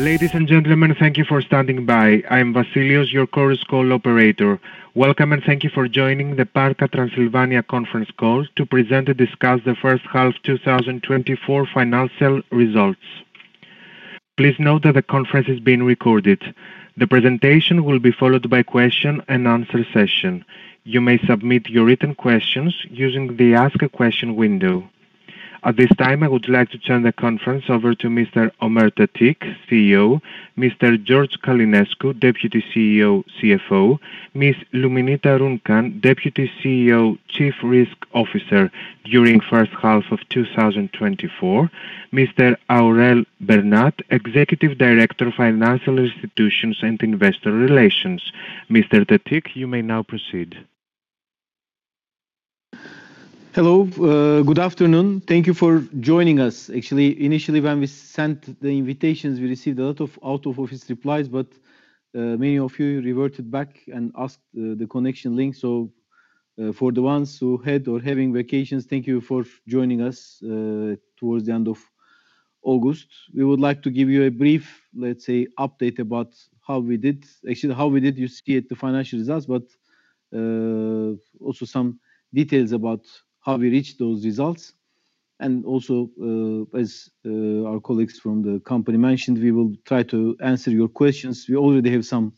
Ladies and gentlemen, thank you for standing by. I'm Vasilios, your Chorus Call operator. Welcome, and thank you for joining the Banca Transilvania Conference Call to present and discuss the First Half 2024 Financial Results. Please note that the conference is being recorded. The presentation will be followed by Q&A session. You may submit your written questions using the Ask a Question window. At this time, I would like to turn the conference over to Mr. Ömer Tetik, CEO, Mr. George Călinescu, Deputy CEO, CFO, Ms. Luminița Runcan, Deputy CEO, Chief Risk Officer during first half of two thousand and twenty-four, Mr. Aurel Bernat, Executive Director of Financial Institutions and Investor Relations. Mr. Tetik, you may now proceed. Hello, good afternoon. Thank you for joining us. Actually, initially when we sent the invitations, we received a lot of out-of-office replies, but, many of you reverted back and asked the connection link. So, for the ones who had or having vacations, thank you for joining us, towards the end of August. We would like to give you a brief, let's say, update about how we did. Actually, how we did, you see it, the financial results, but, also some details about how we reached those results. And also, as our colleagues from the company mentioned, we will try to answer your questions. We already have some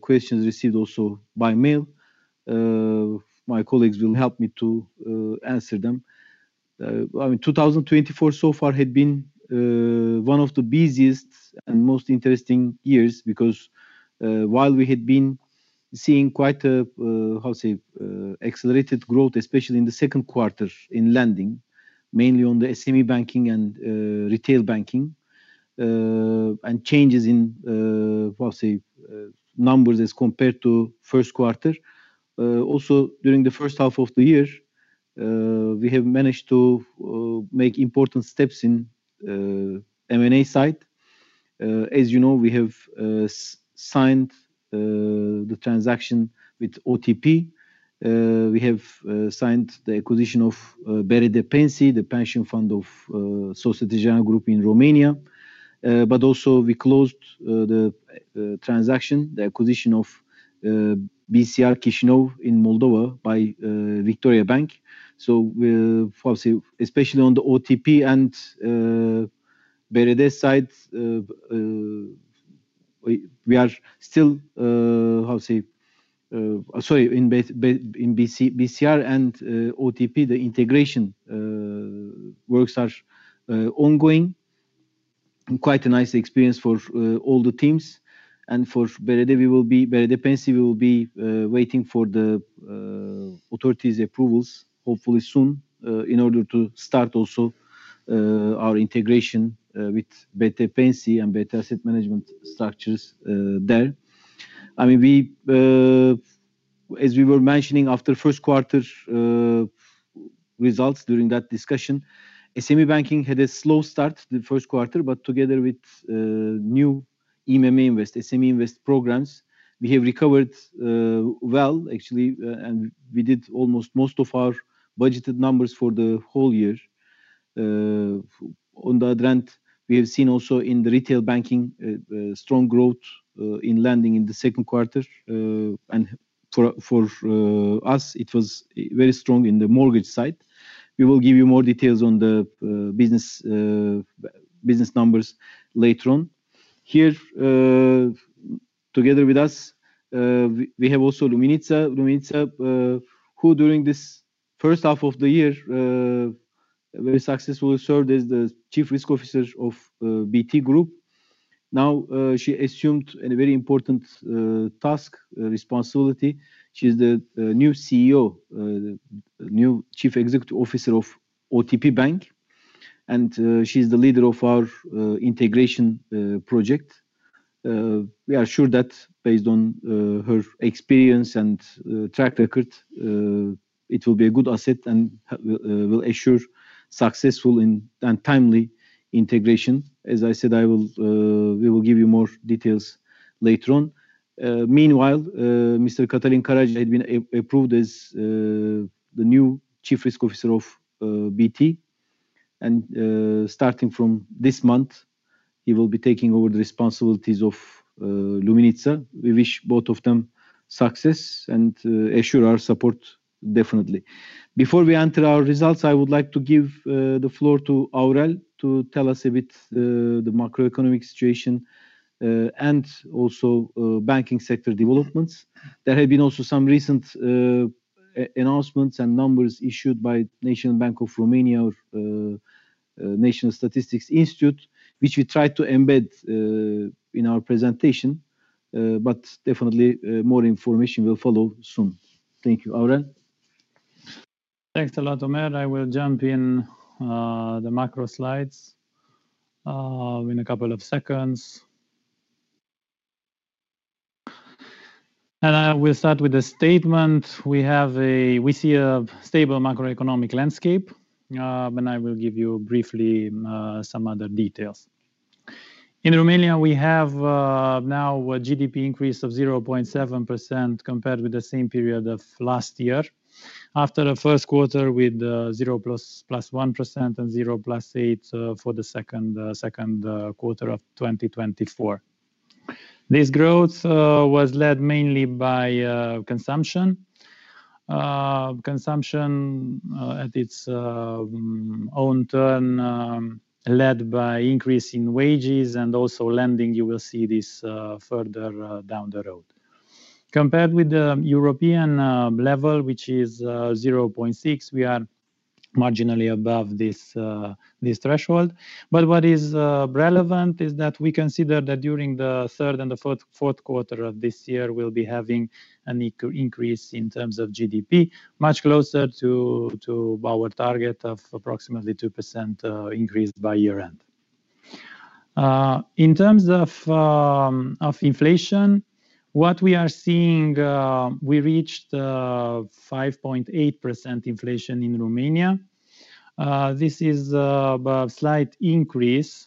questions received also by mail. My colleagues will help me to answer them. I mean, 2024 so far had been one of the busiest and most interesting years because while we had been seeing quite a how say accelerated growth, especially in the second quarter in lending, mainly on the SME banking and retail banking, and changes in how say numbers as compared to first quarter. Also during the first half of the year, we have managed to make important steps in M&A side. As you know, we have signed the transaction with OTP. We have signed the acquisition of BRD Pensii, the pension fund of Société Générale Group in Romania. But also we closed the transaction, the acquisition of BCR Chișinău in Moldova by Victoriabank. So, especially on the OTP and BRD side, we are still in BCR and OTP, the integration works are ongoing, and quite a nice experience for all the teams. And for BRD Pensii, we will be waiting for the authorities approvals, hopefully soon, in order to start also our integration with BRD Pensii and BRD Asset management structures there. I mean, as we were mentioning after first quarter results during that discussion, SME banking had a slow start the first quarter, but together with new IMM Invest, SME Invest programs, we have recovered, well, actually, and we did almost most of our budgeted numbers for the whole year. On the other hand, we have seen also in the retail banking, strong growth in lending in the second quarter. And for us, it was very strong in the mortgage side. We will give you more details on the business numbers later on. Here, together with us, we have also Luminița. Luminița, who during this first half of the year, very successfully served as the Chief Risk Officer of BT Group. Now, she assumed a very important task, responsibility. She's the new CEO, new Chief Executive Officer of OTP Bank, and she's the leader of our integration project. We are sure that based on her experience and track record, it will be a good asset and will ensure successful and timely integration. As I said, we will give you more details later on. Meanwhile, Mr. Cătălin Caragea has been approved as the new Chief Risk Officer of BT. And starting from this month, he will be taking over the responsibilities of Luminita. We wish both of them success and assure our support definitely. Before we enter our results, I would like to give the floor to Aurel to tell us a bit the macroeconomic situation and also banking sector developments. There have been also some recent announcements and numbers issued by National Bank of Romania, National Statistics Institute, which we try to embed in our presentation, but definitely more information will follow soon. Thank you. Aurel? Thanks a lot, Ömer. I will jump in, the macro slides, in a couple of seconds. And I will start with a statement. We see a stable macroeconomic landscape, and I will give you briefly, some other details. In Romania, we have now a GDP increase of 0.7% compared with the same period of last year. ... after the first quarter with zero point one percent and zero point eight for the second quarter of 2024. This growth was led mainly by consumption. Consumption at its own turn led by increase in wages and also lending. You will see this further down the road. Compared with the European level, which is zero point six, we are marginally above this threshold. But what is relevant is that we consider that during the third and the fourth quarter of this year, we'll be having an increase in terms of GDP, much closer to our target of approximately 2% increase by year-end. In terms of inflation, what we are seeing, we reached 5.8% inflation in Romania. This is a slight increase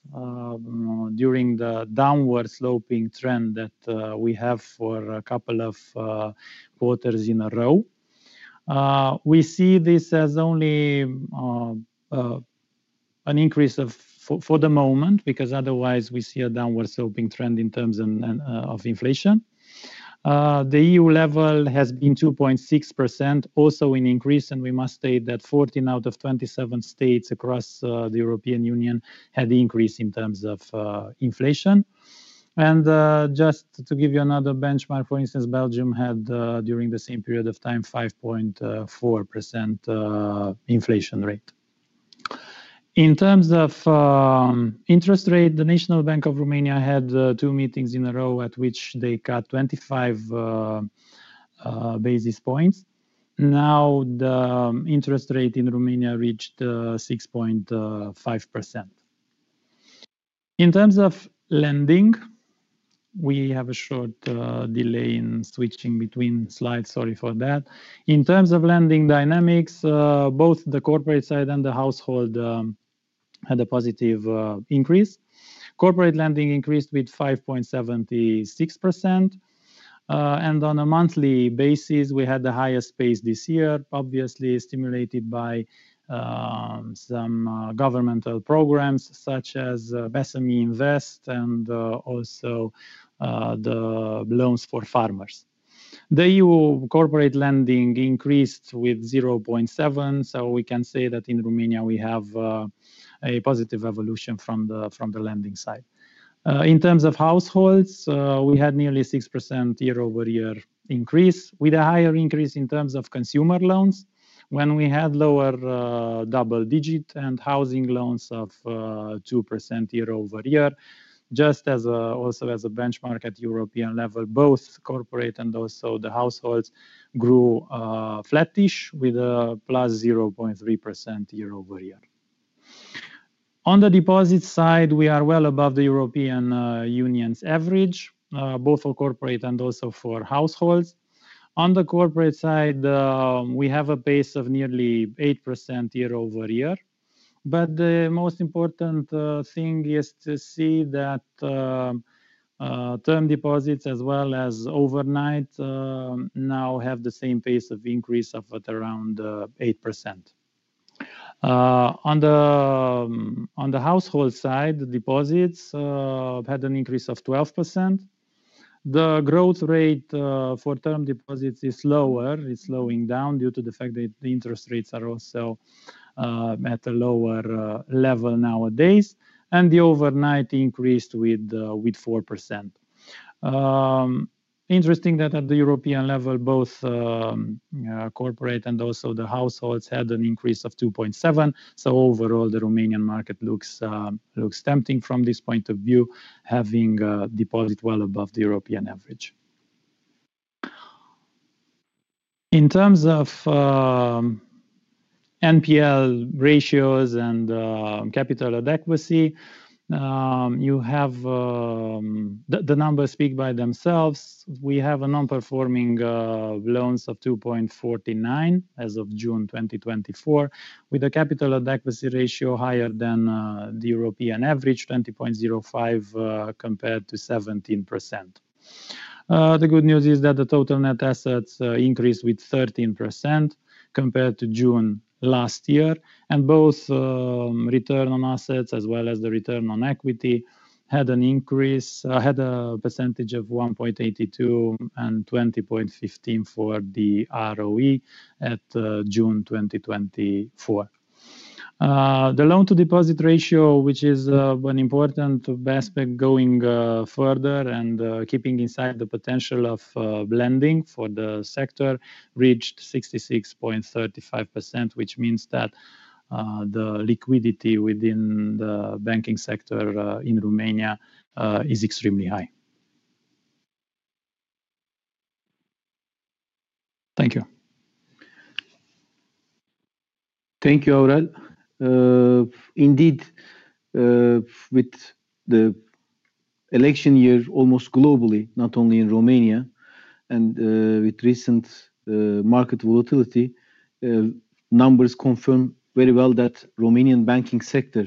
during the downward sloping trend that we have for a couple of quarters in a row. We see this as only an increase for the moment, because otherwise we see a downward sloping trend in terms and of inflation. The EU level has been 2.6%, also an increase, and we must state that fourteen out of twenty-seven states across the European Union had the increase in terms of inflation. Just to give you another benchmark, for instance, Belgium had during the same period of time 5.4% inflation rate. In terms of interest rate, the National Bank of Romania had two meetings in a row at which they cut twenty-five basis points. Now, the interest rate in Romania reached 6.5%. In terms of lending, we have a short delay in switching between slides. Sorry for that. In terms of lending dynamics, both the corporate side and the household had a positive increase. Corporate lending increased with 5.76%. And on a monthly basis, we had the highest pace this year, obviously stimulated by some governmental programs such as SME Invest and also the loans for farmers. The EU corporate lending increased with 0.7%, so we can say that in Romania, we have a positive evolution from the lending side. In terms of households, we had nearly 6% year-over-year increase, with a higher increase in terms of consumer loans when we had lower double-digit and housing loans of 2% year-over-year. Just as also as a benchmark at European level, both corporate and also the households grew flattish with a plus 0.3% year-over-year. On the deposit side, we are well above the European Union's average both for corporate and also for households. On the corporate side, we have a base of nearly 8% year-over-year. But the most important thing is to see that term deposits as well as overnight now have the same pace of increase of at around 8%. On the household side, the deposits had an increase of 12%. The growth rate for term deposits is lower. It's slowing down due to the fact that the interest rates are also at a lower level nowadays, and the overnight increased with four percent. Interesting that at the European level, both corporate and also the households had an increase of 2.7%, so overall, the Romanian market looks tempting from this point of view, having deposit well above the European average. In terms of NPL ratios and capital adequacy, you have, the numbers speak by themselves. We have non-performing loans of 2.49% as of June 2024, with a capital adequacy ratio higher than the European average, 20.05%, compared to 17%. The good news is that the total net assets increased with 13% compared to June last year, and both return on assets as well as the return on equity had an increase, had a percentage of 1.82% and 20.15% for the ROE at June 2024. The loan-to-deposit ratio, which is an important aspect going further and keeping inside the potential of lending for the sector, reached 66.35%, which means that the liquidity within the banking sector in Romania is extremely high. Thank you. Thank you, Aurel. Indeed, with the election year almost globally, not only in Romania, and with recent market volatility, numbers confirm very well that Romanian banking sector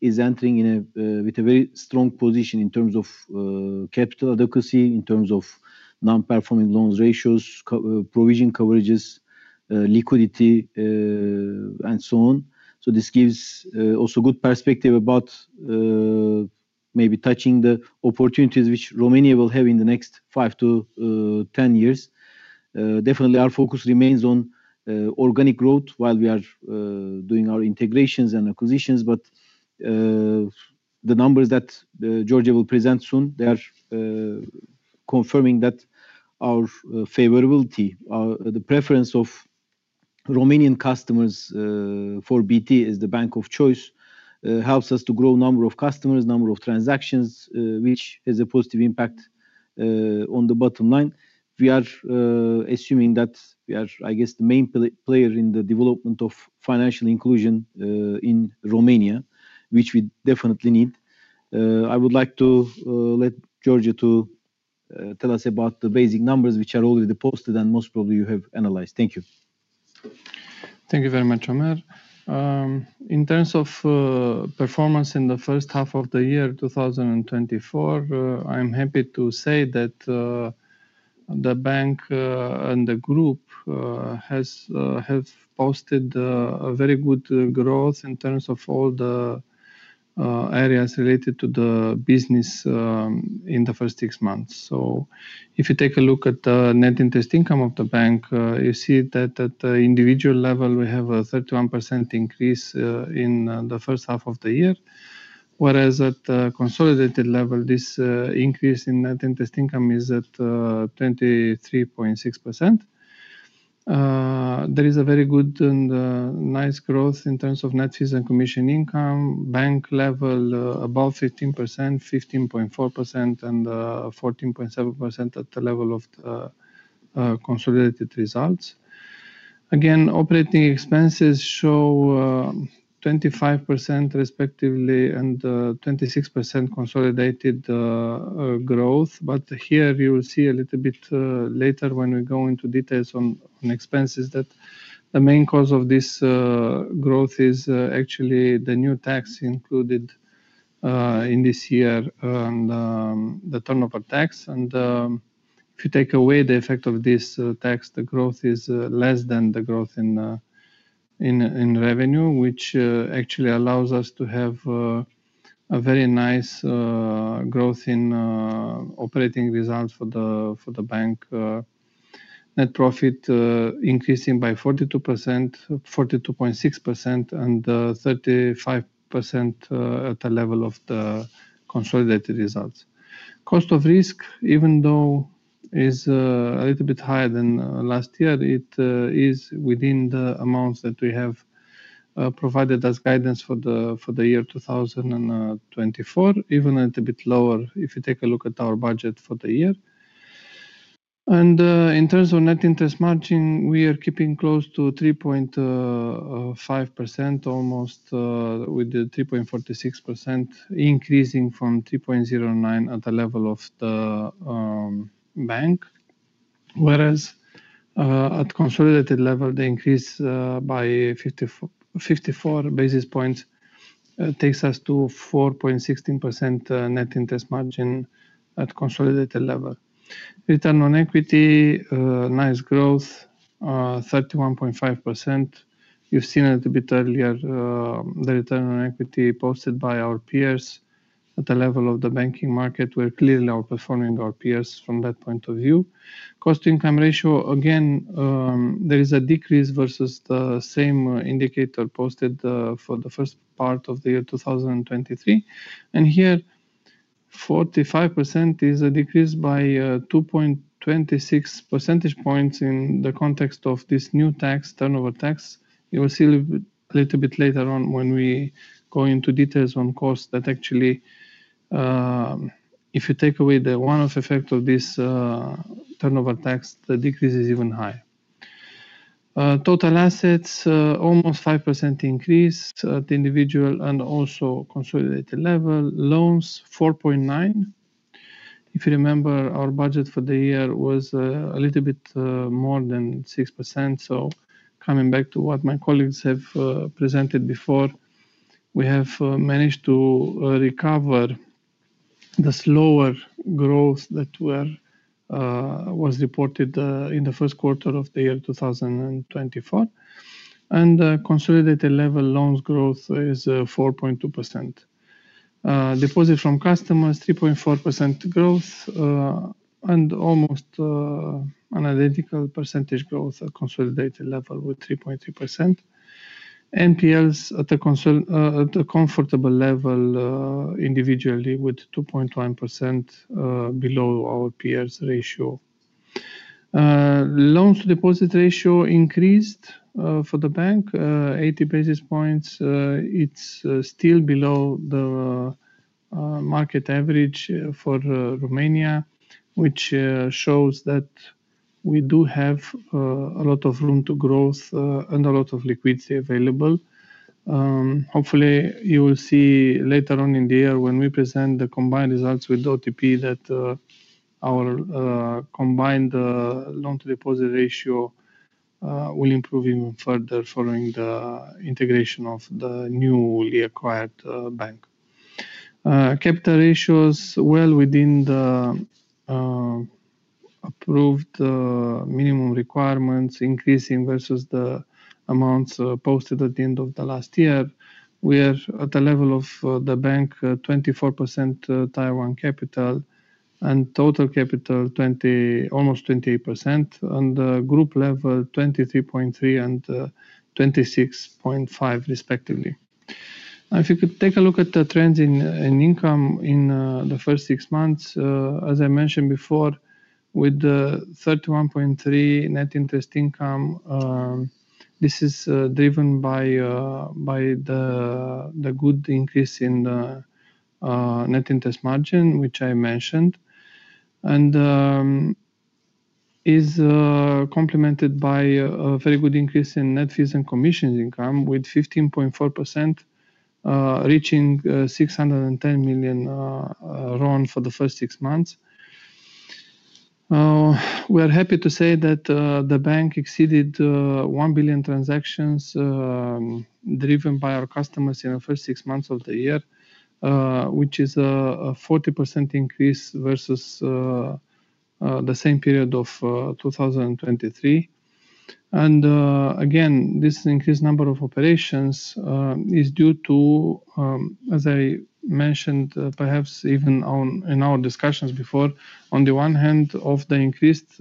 is entering in a with a very strong position in terms of capital adequacy, in terms of non-performing loans ratios, provision coverages, liquidity, and so on. So this gives also good perspective about maybe touching the opportunities which Romania will have in the next five to ten years. Definitely our focus remains on organic growth while we are doing our integrations and acquisitions, but the numbers that George will present soon, they are confirming that our favorability, the preference of Romanian customers, for BT as the bank of choice, helps us to grow number of customers, number of transactions, which has a positive impact on the bottom line. We are assuming that we are, I guess, the main player in the development of financial inclusion in Romania, which we definitely need. I would like to let George to tell us about the basic numbers, which are already posted and most probably you have analyzed. Thank you. Thank you very much, Ömer. In terms of performance in the first half of the year, two thousand and twenty-four, I'm happy to say that the bank and the group have posted a very good growth in terms of all the areas related to the business in the first six months. So if you take a look at the net interest income of the bank, you see that at the individual level, we have a 31% increase in the first half of the year. Whereas at the consolidated level, this increase in net interest income is at 23.6%. There is a very good and nice growth in terms of net fees and commission income. Bank level, above 15%, 15.4%, and 14.7% at the level of the consolidated results. Again, operating expenses show 25% respectively, and 26% consolidated growth. But here you will see a little bit later when we go into details on expenses, that the main cause of this growth is actually the new tax included in this year, and the turnover tax, and if you take away the effect of this tax, the growth is less than the growth in revenue, which actually allows us to have a very nice growth in operating results for the bank. Net profit increasing by 42%, 42.6%, and 35% at the level of the consolidated results. Cost of risk, even though is a little bit higher than last year, it is within the amounts that we have provided as guidance for the year two thousand and twenty-four. Even a little bit lower if you take a look at our budget for the year. In terms of net interest margin, we are keeping close to 3.5% almost with the 3.46% increasing from 3.09 at the level of the bank. Whereas at consolidated level, the increase by 54 basis points takes us to 4.16% net interest margin at consolidated level. Return on Equity, nice growth, 31.5%. You've seen a little bit earlier, the Return on Equity posted by our peers at the level of the banking market. We're clearly outperforming our peers from that point of view. Cost-Income Ratio, again, there is a decrease versus the same indicator posted for the first part of the year 2023, and here 45% is a decrease by 2.26 percentage points in the context of this new tax, turnover tax. You will see a little bit, little bit later on when we go into details on cost, that actually, if you take away the one-off effect of this, turnover tax, the decrease is even higher. Total assets, almost 5% increase at the individual and also consolidated level loans, 4.9. If you remember, our budget for the year was a little bit more than 6%. So coming back to what my colleagues have presented before, we have managed to recover the slower growth that was reported in the first quarter of the year two thousand and twenty-four. And consolidated level loans growth is 4.2%. Deposit from customers, 3.4% growth, and almost identical percentage growth at consolidated level with 3.2%. NPLs at a comfortable level, individually, with 2.1%, below our peers' ratio. Loans to deposit ratio increased for the bank eighty basis points. It's still below the market average for Romania, which shows that we do have a lot of room to growth and a lot of liquidity available. Hopefully, you will see later on in the year when we present the combined results with OTP that our combined loan to deposit ratio will improve even further following the integration of the newly acquired bank. Capital ratios well within the approved minimum requirements increasing versus the amounts posted at the end of the last year. We are at the level of the bank 24% Tier 1 capital, and total capital almost 28%, on the group level, 23.3% and 26.5% respectively. Now, if you could take a look at the trends in income in the first six months, as I mentioned before, with the 31.3 net interest income, this is driven by the good increase in the net interest margin, which I mentioned, and is complemented by a very good increase in net fees and commissions income, with 15.4%, reaching RON 610 million for the first six months. We are happy to say that the bank exceeded 1 billion transactions, driven by our customers in the first six months of the year, which is a 40% increase versus the same period of 2023. Again, this increased number of operations is due to, as I mentioned, perhaps even in our discussions before, on the one hand, of the increased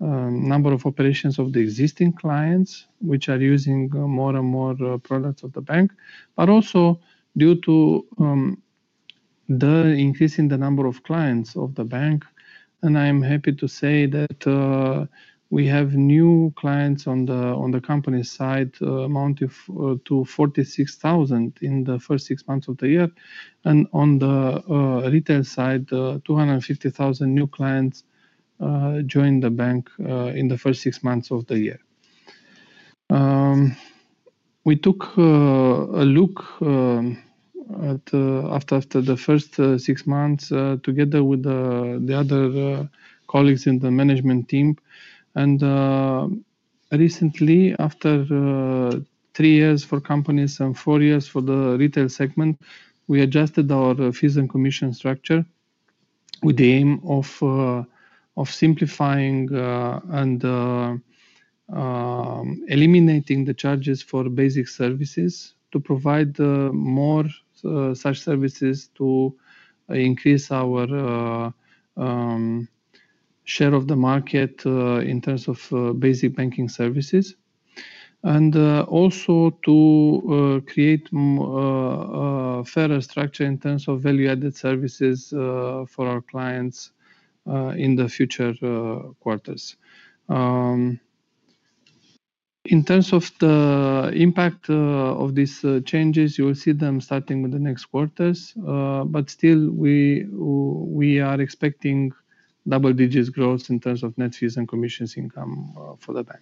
number of operations of the existing clients, which are using more and more products of the bank, but also due to the increase in the number of clients of the bank. I am happy to say that we have new clients on the company side amount to 46,000 in the first six months of the year. On the retail side, 250,000 new clients joined the bank in the first six months of the year. We took a look at after the first six months together with the other colleagues in the management team. And recently, after three years for companies and four years for the retail segment, we adjusted our fees and commission structure with the aim of simplifying and eliminating the charges for basic services, to provide more such services to increase our share of the market in terms of basic banking services. And also to create more a fairer structure in terms of value-added services for our clients in the future quarters. In terms of the impact of these changes, you will see them starting with the next quarters, but still, we are expecting double digits growth in terms of net fees and commissions income for the bank.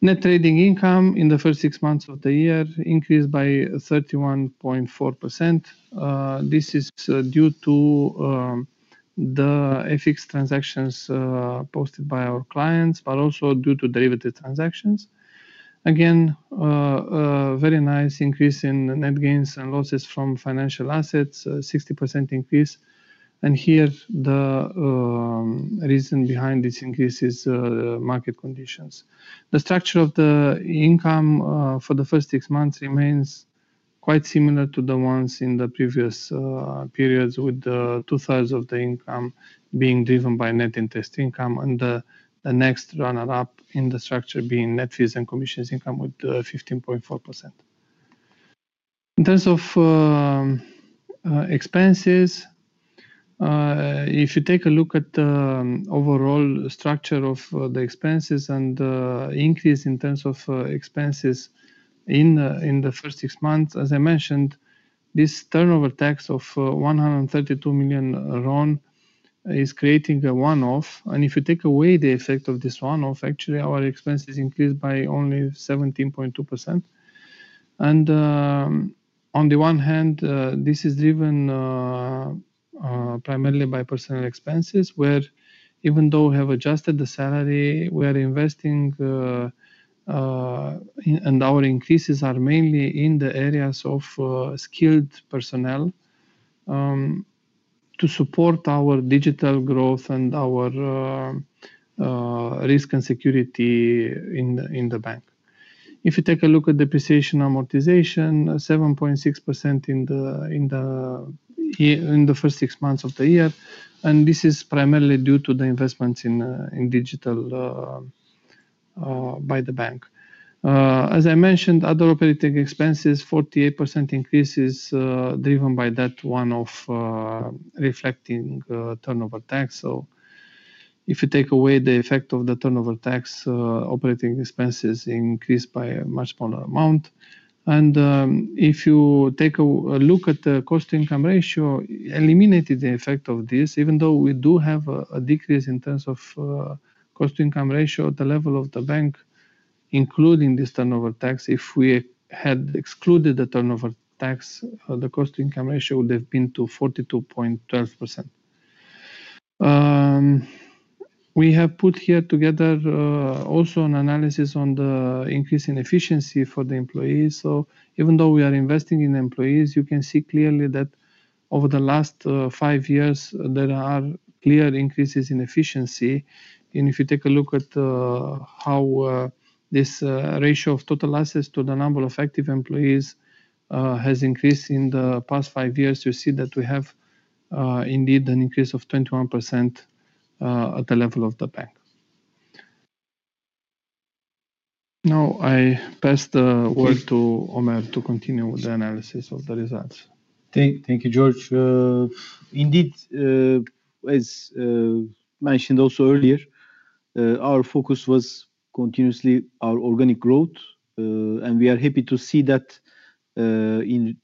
Net trading income in the first six months of the year increased by 31.4%. This is due to the FX transactions posted by our clients, but also due to derivative transactions. Again, a very nice increase in net gains and losses from financial assets, a 60% increase. And here, the reason behind this increase is market conditions. The structure of the income for the first six months remains quite similar to the ones in the previous periods, with two-thirds of the income being driven by net interest income, and the next runner-up in the structure being net fees and commissions income, with 15.4%. In terms of expenses, if you take a look at the overall structure of the expenses and increase in terms of expenses in the first six months, as I mentioned, this turnover tax of RON 132 million is creating a one-off, and if you take away the effect of this one-off, actually, our expenses increased by only 17.2%. On the one hand, this is driven primarily by personnel expenses, where even though we have adjusted the salary, we are investing and our increases are mainly in the areas of skilled personnel to support our digital growth and our risk and security in the bank. If you take a look at depreciation amortization, 7.6% in the first six months of the year, and this is primarily due to the investments in digital by the bank. As I mentioned, other operating expenses, 48% increase is driven by that one-off reflecting turnover tax. If you take away the effect of the turnover tax, operating expenses increased by a much smaller amount. And if you take a look at the cost-income ratio, eliminated the effect of this, even though we do have a decrease in terms of cost-income ratio at the level of the bank, including this turnover tax, if we had excluded the turnover tax, the cost-income ratio would have been to 42.12%. We have put here together also an analysis on the increase in efficiency for the employees, so even though we are investing in employees, you can see clearly that over the last five years, there are clear increases in efficiency. And if you take a look at how this ratio of total assets to the number of effective employees has increased in the past five years, you see that we have indeed an increase of 21% at the level of the bank. Now, I pass the word to Ömer to continue with the analysis of the results. Thank you, George. Indeed, as mentioned also earlier, our focus was continuously our organic growth. And we are happy to see that in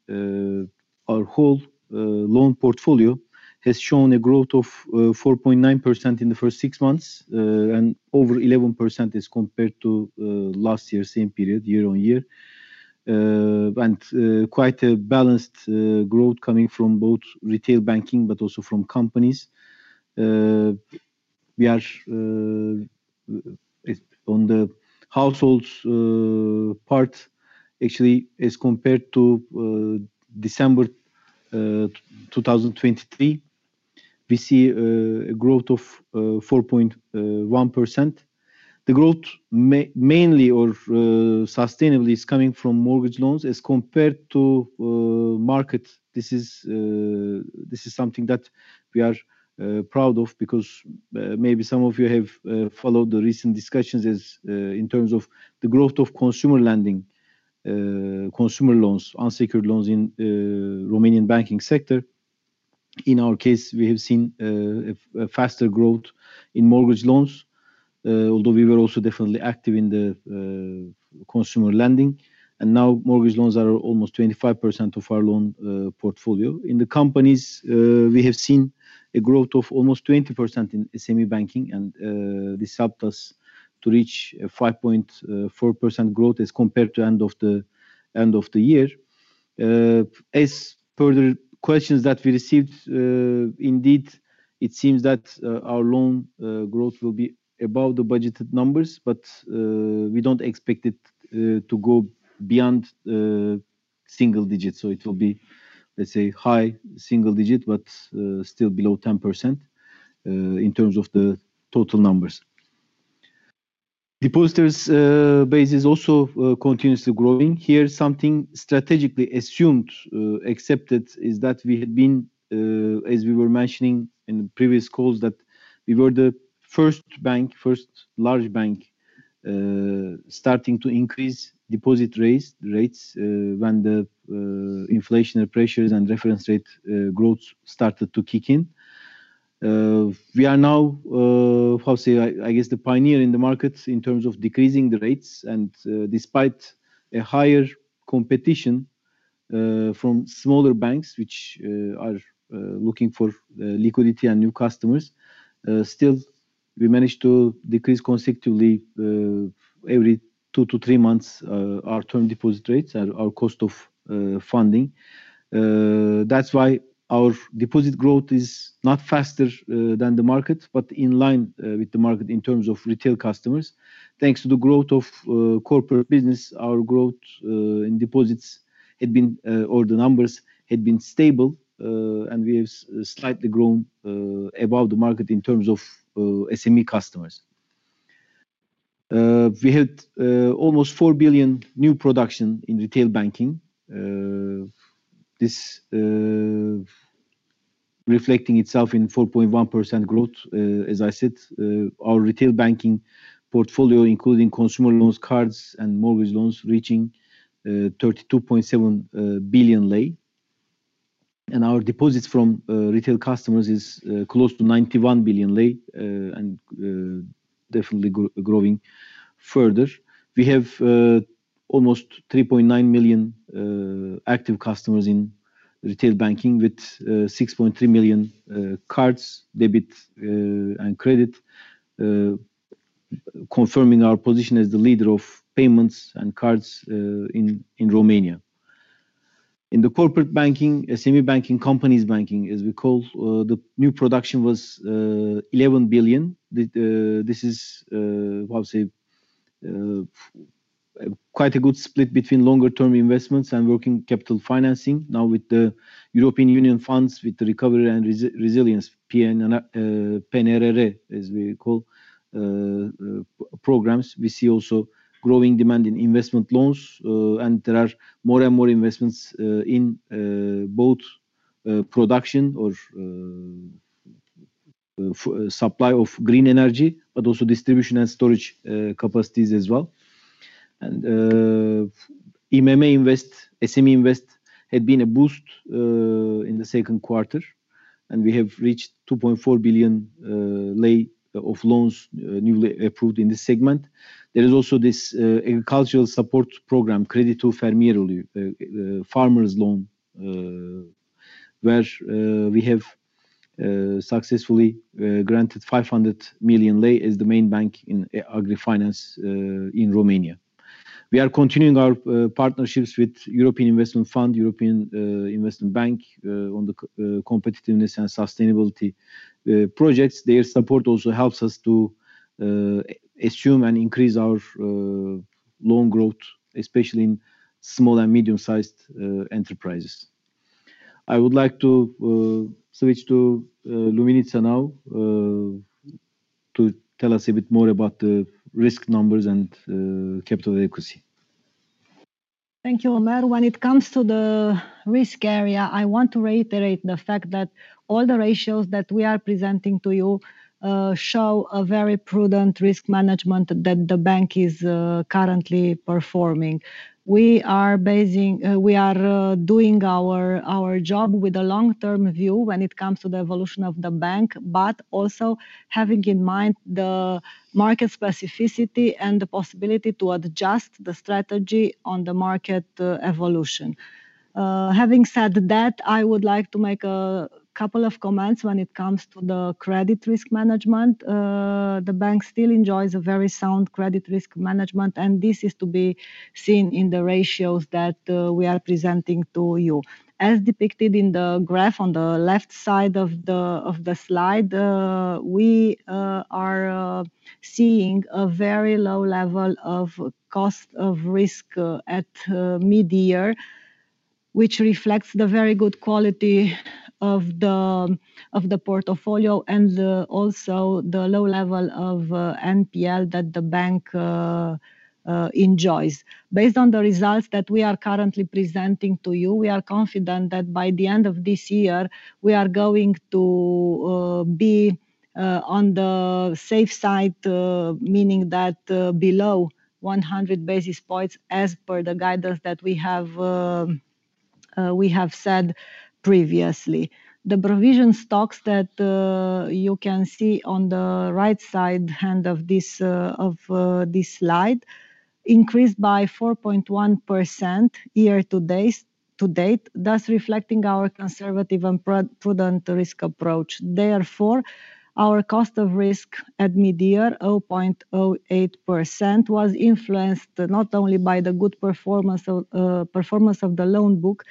our whole loan portfolio has shown a growth of 4.9% in the first six months, and over 11% as compared to last year, same period, year on year. And quite a balanced growth coming from both retail banking, but also from companies. We are on the households part, actually, as compared to December 2023, we see a growth of 4.1%. The growth mainly or sustainably is coming from mortgage loans as compared to market. This is, this is something that we are proud of, because maybe some of you have followed the recent discussions as in terms of the growth of consumer lending, consumer loans, unsecured loans in Romanian banking sector. In our case, we have seen a faster growth in mortgage loans, although we were also definitely active in the consumer lending, and now mortgage loans are almost 25% of our loan portfolio. In the companies, we have seen a growth of almost 20% in SME banking, and this helped us to reach a 5.4% growth as compared to end of the year. As per the questions that we received, indeed, it seems that our loan growth will be above the budgeted numbers, but we don't expect it to go beyond single digits. So it will be, let's say, high single digit, but still below 10% in terms of the total numbers. Depositors base is also continuously growing. Here, something strategically assumed accepted, is that we had been, as we were mentioning in the previous calls, that we were the first bank, first large bank, starting to increase deposit rates, rates, when the inflationary pressures and reference rate growth started to kick in. We are now, how say, I guess, the pioneer in the market in terms of decreasing the rates, and, despite a higher competition from smaller banks, which are looking for liquidity and new customers, still, we managed to decrease consecutively every two to three months our term deposit rates and our cost of funding. That's why our deposit growth is not faster than the market, but in line with the market in terms of retail customers. Thanks to the growth of corporate business, our growth in deposits had been, or the numbers had been stable, and we have slightly grown above the market in terms of SME customers. We had almost four billion new production in retail banking. This reflecting itself in 4.1% growth, as I said, our retail banking portfolio, including consumer loans, cards, and mortgage loans, reaching RON 32.7 billion, and our deposits from retail customers is close to RON 91 billion, and definitely growing further. We have almost 3.9 million active customers in retail banking, with 6.3 million cards, debit and credit, confirming our position as the leader of payments and cards in Romania. In the corporate banking, SME banking, companies banking, as we call, the new production was RON 11 billion. This is how say quite a good split between longer-term investments and working capital financing. Now, with the European Union funds, with the recovery and resilience, PNRR, as we call, programs, we see also growing demand in investment loans, and there are more and more investments, in, both, production or, supply of green energy, but also distribution and storage, capacities as well. And, IMM Invest, SME Invest, had been a boost, in the second quarter, and we have reached 2.4 billion lei of loans, newly approved in this segment. There is also this, agricultural support program, Creditul Fermierului, Farmer's Loan, where we have successfully granted 500 million lei as the main bank in, agri-finance, in Romania. We are continuing our, partnerships with European Investment Fund, European, Investment Bank, on the competitiveness and sustainability. Projects, their support also helps us to assume and increase our loan growth, especially in small and medium-sized enterprises. I would like to switch to Luminița now to tell us a bit more about the risk numbers and capital adequacy. Thank you, Ömer. When it comes to the risk area, I want to reiterate the fact that all the ratios that we are presenting to you show a very prudent risk management that the bank is currently performing. We are doing our job with a long-term view when it comes to the evolution of the bank, but also having in mind the market specificity and the possibility to adjust the strategy on the market evolution. Having said that, I would like to make a couple of comments when it comes to the credit risk management. The bank still enjoys a very sound credit risk management, and this is to be seen in the ratios that we are presenting to you. As depicted in the graph on the left side of the slide, we are seeing a very low level of cost of risk at mid-year, which reflects the very good quality of the portfolio and also the low level of NPL that the bank enjoys. Based on the results that we are currently presenting to you, we are confident that by the end of this year, we are going to be on the safe side, meaning that below 100 basis points, as per the guidance that we have said previously. The provision stocks that you can see on the right side hand of this slide increased by 4.1% year-to-date, thus reflecting our conservative and prudent risk approach. Therefore, our cost of risk at mid-year, 0.08%, was influenced not only by the good performance of the loan book,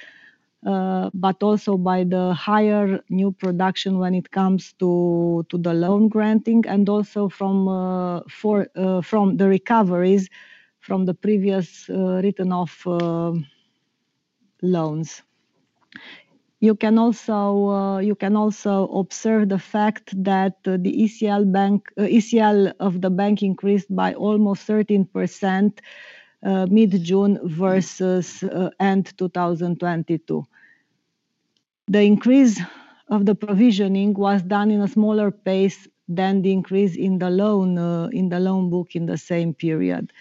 but also by the higher new production when it comes to the loan granting, and also from the recoveries from the previous written-off loans. You can also observe the fact that the ECL of the bank increased by almost 13%, mid-June versus end 2022. The increase of the provisioning was done in a smaller pace than the increase in the loan, in the loan book in the same period.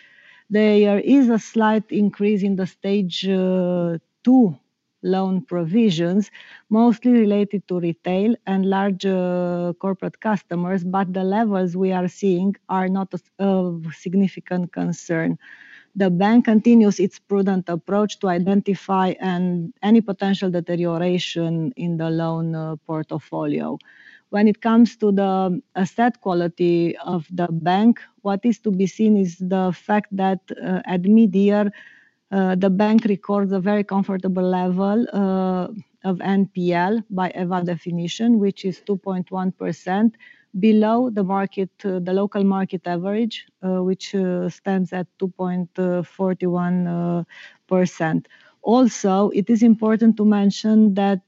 There is a slight increase in the stage two loan provisions, mostly related to retail and large corporate customers, but the levels we are seeing are not of significant concern. The bank continues its prudent approach to identify any potential deterioration in the loan portfolio. When it comes to the asset quality of the bank, what is to be seen is the fact that, at mid-year, the bank records a very comfortable level of NPL by EVA definition, which is 2.1% below the market, the local market average, which stands at 2.41%. Also, it is important to mention that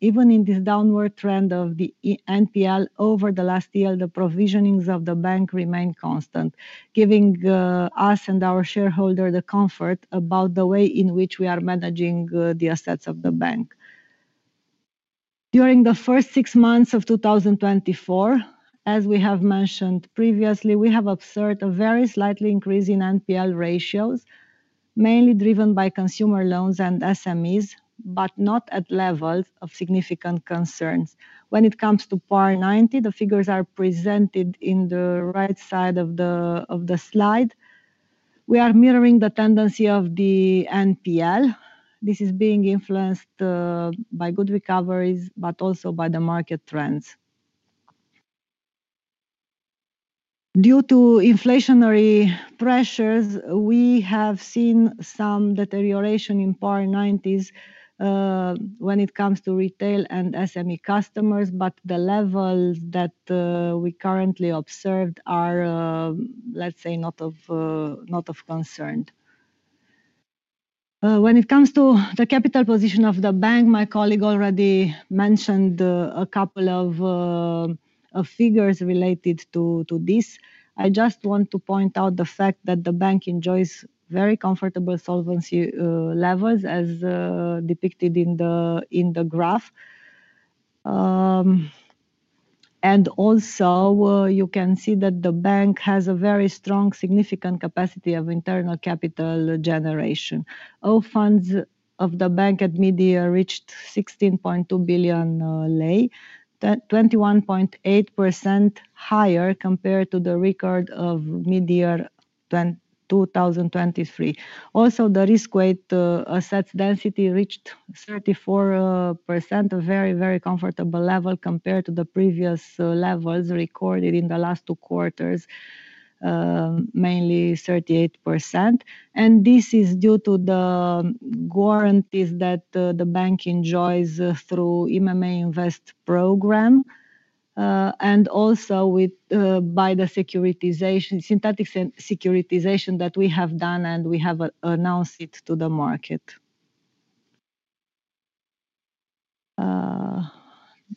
even in this downward trend of the NPL over the last year, the provisionings of the bank remain constant, giving us and our shareholder the comfort about the way in which we are managing the assets of the bank. During the first six months of 2024, as we have mentioned previously, we have observed a very slightly increase in NPL ratios, mainly driven by consumer loans and SMEs, but not at levels of significant concerns. When it comes to PAR 90, the figures are presented in the right side of the slide. We are mirroring the tendency of the NPL. This is being influenced by good recoveries, but also by the market trends. Due to inflationary pressures, we have seen some deterioration in PAR 90s when it comes to retail and SME customers, but the levels that we currently observed are, let's say, not of concern. When it comes to the capital position of the bank, my colleague already mentioned a couple of figures related to this. I just want to point out the fact that the bank enjoys very comfortable solvency levels, as depicted in the graph. And also, you can see that the bank has a very strong, significant capacity of internal capital generation. All funds of the bank at mid-year reached 16.2 billion lei, 21.8% higher compared to the record of mid-year. In 2023. Also, the risk-weighted assets density reached 34%, a very, very comfortable level compared to the previous levels recorded in the last two quarters, mainly 38%. And this is due to the guarantees that the bank enjoys through IMM Invest program and also with by the securitization, synthetic securitization that we have done and we have announced it to the market.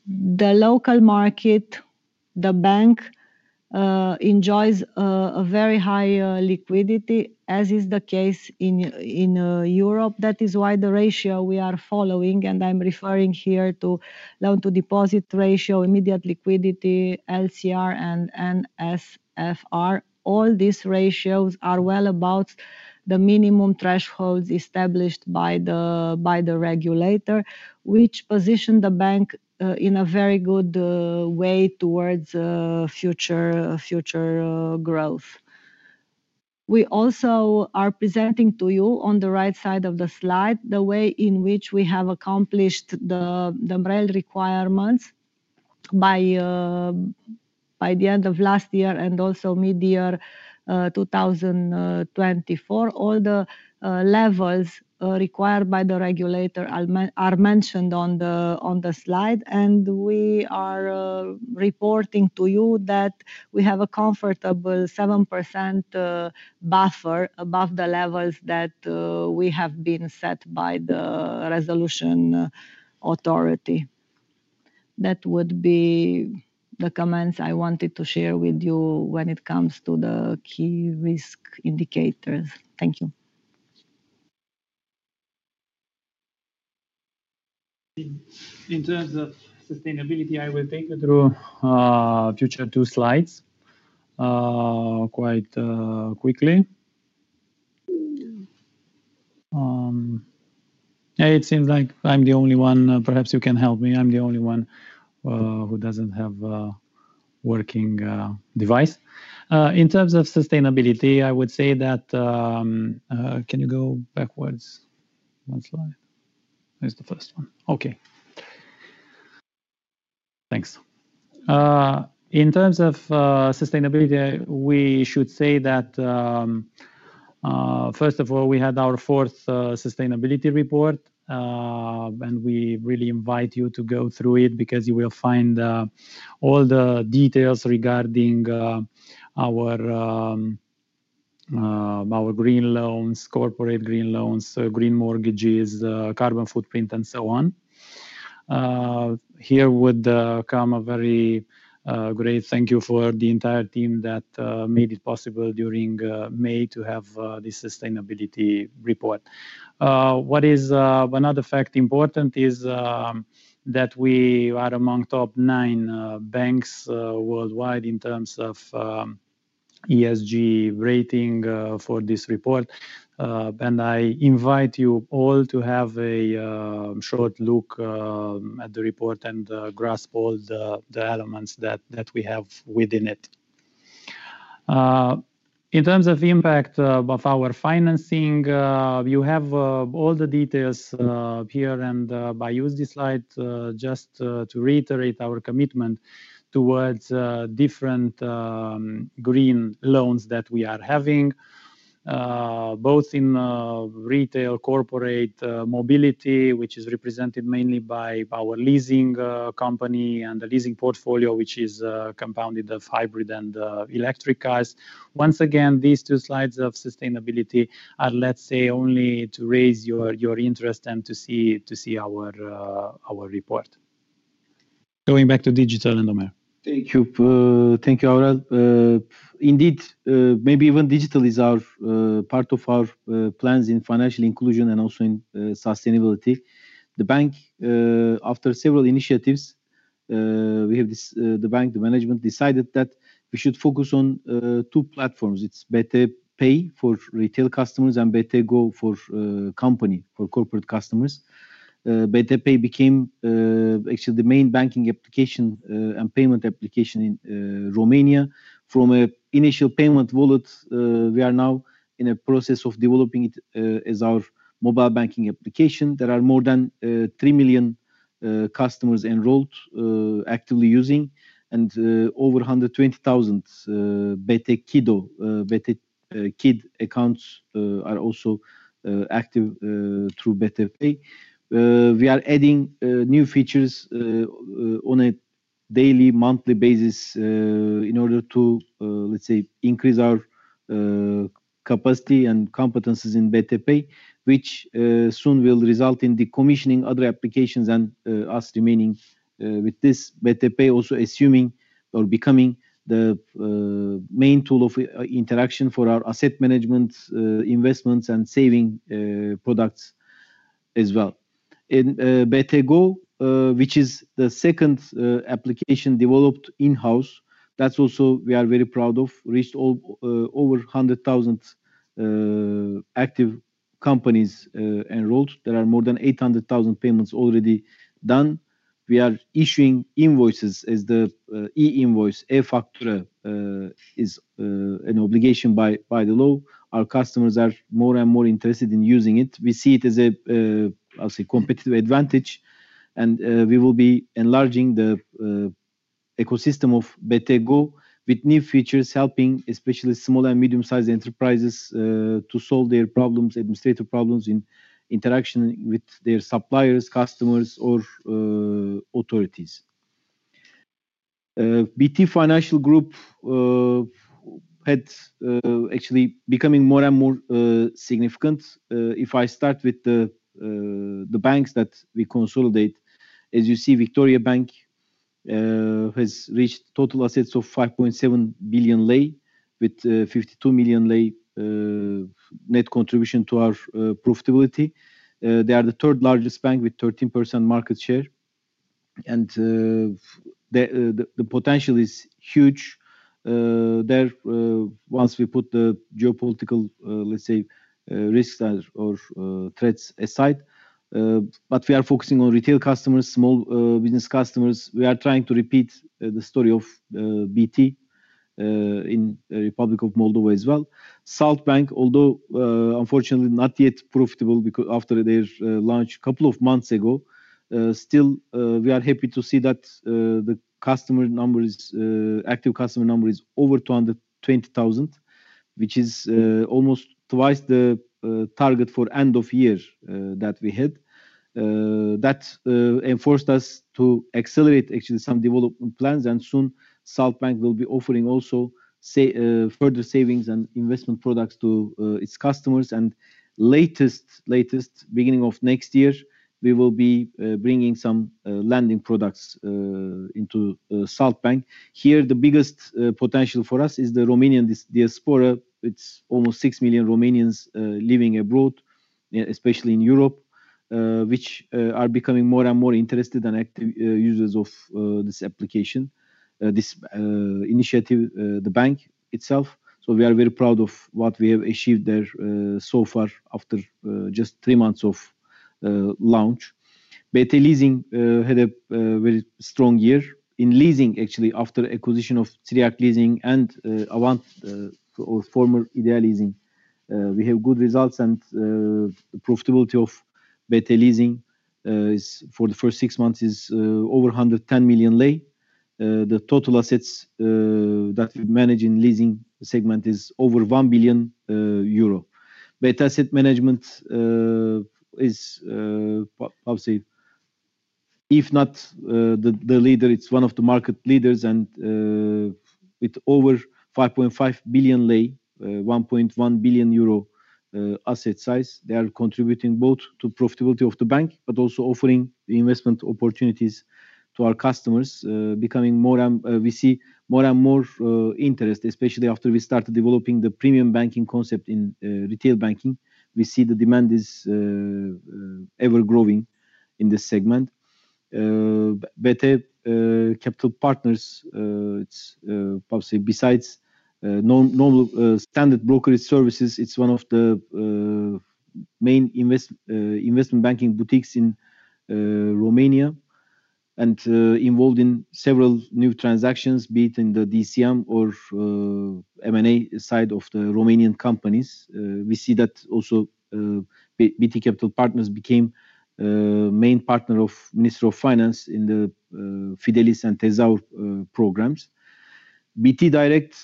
The local market, the bank enjoys a very high liquidity, as is the case in Europe. That is why the ratio we are following, and I'm referring here to loan-to-deposit ratio, immediate liquidity, LCR and NSFR. All these ratios are well above the minimum thresholds established by the regulator, which position the bank in a very good way towards future growth. We also are presenting to you on the right side of the slide, the way in which we have accomplished the MREL requirements by the end of last year and also midyear two thousand twenty-four. All the levels required by the regulator are mentioned on the slide, and we are reporting to you that we have a comfortable 7% buffer above the levels that we have been set by the resolution authority. That would be the comments I wanted to share with you when it comes to the key risk indicators. Thank you. In terms of sustainability, I will take you through the next two slides quite quickly. It seems like I'm the only one... Perhaps you can help me. I'm the only one who doesn't have a working device. In terms of sustainability, I would say that... Can you go backwards one slide? There's the first one. Okay. Thanks. In terms of sustainability, we should say that first of all, we had our fourth sustainability report, and we really invite you to go through it because you will find all the details regarding our green loans, corporate green loans, green mortgages, carbon footprint, and so on. Here would come a very great thank you for the entire team that made it possible during May to have this sustainability report. What is another fact important is that we are among top nine banks worldwide in terms of ESG rating for this report. And I invite you all to have a short look at the report and grasp all the elements that we have within it. In terms of impact of our financing, you have all the details here, and I use this slide just to reiterate our commitment towards different green loans that we are having both in retail, corporate, mobility, which is represented mainly by our leasing company and the leasing portfolio, which is compounded of hybrid and electric cars. Once again, these two slides of sustainability are, let's say, only to raise your interest and to see our report. Going back to digital, Ömer. Thank you. Thank you, Aurel. Indeed, maybe even digital is our part of our plans in financial inclusion and also in sustainability. The bank, after several initiatives, we have this, the bank, the management decided that we should focus on two platforms: it's BT Pay for retail customers and BT Go for company, for corporate customers. BT Pay became actually the main banking application and payment application in Romania. From a initial payment wallet, we are now in a process of developing it as our mobile banking application. There are more than three million customers enrolled, actively using, and over hundred and twenty thousand BT Kiddo accounts are also active through BT Pay. We are adding new features on a daily, monthly basis in order to, let's say, increase our capacity and competencies in BT Pay, which soon will result in decommissioning other applications and us remaining with this BT Pay also assuming or becoming the main tool of interaction for our asset management investments, and saving products as well. In BT Go, which is the second application developed in-house, that's also we are very proud of, reached all over hundred thousand. Active companies enrolled. There are more than 800,000 payments already done. We are issuing invoices as the E-invoice, e-Factura, is an obligation by the law. Our customers are more and more interested in using it. We see it as a, I'll say, competitive advantage, and we will be enlarging the ecosystem of BT Go with new features, helping especially small and medium-sized enterprises to solve their problems, administrative problems in interaction with their suppliers, customers, or authorities. BT Group had actually becoming more and more significant. If I start with the banks that we consolidate, as you see, Victoriabank has reached total assets of RON 5.7 billion, with RON 52 million net contribution to our profitability. They are the third largest bank with 13% market share, and the potential is huge. Once we put the geopolitical, let's say, risks or threats aside, but we are focusing on retail customers, small business customers. We are trying to repeat the story of BT in the Republic of Moldova as well. Salt Bank, although unfortunately not yet profitable because after their launch a couple of months ago, still we are happy to see that the active customer number is over 220,000, which is almost twice the target for end-of-year that we had. That enforced us to accelerate actually some development plans, and soon Salt Bank will be offering also further savings and investment products to its customers. And latest beginning of next year, we will be bringing some lending products into Salt Bank. Here, the biggest potential for us is the Romanian diaspora. It's almost six million Romanians living abroad, especially in Europe, which are becoming more and more interested and active users of this application, this initiative, the bank itself. So we are very proud of what we have achieved there so far after just three months of launch. BT Leasing had a very strong year. In leasing, actually, after acquisition of Țiriac Leasing and Avant, or former Idea Leasing, we have good results, and profitability of BT Leasing is for the first six months over RON 110 million. The total assets that we manage in leasing segment is over 1 billion euro. BT Asset Management is, how say, if not the leader, it's one of the market leaders and with over RON 5.5 billion, 1.1 billion euro asset size, they are contributing both to profitability of the bank, but also offering the investment opportunities to our customers, we see more and more interest, especially after we started developing the premium banking concept in retail banking. We see the demand is ever-growing in this segment. BT Capital Partners, it's probably besides normal standard brokerage services, it's one of the main investment banking boutiques in Romania, and involved in several new transactions, be it in the DCM or M&A side of the Romanian companies. We see that also, BT Capital Partners became main partner of Ministry of Finance in the Fidelis and Tezaur programs. BT Direct,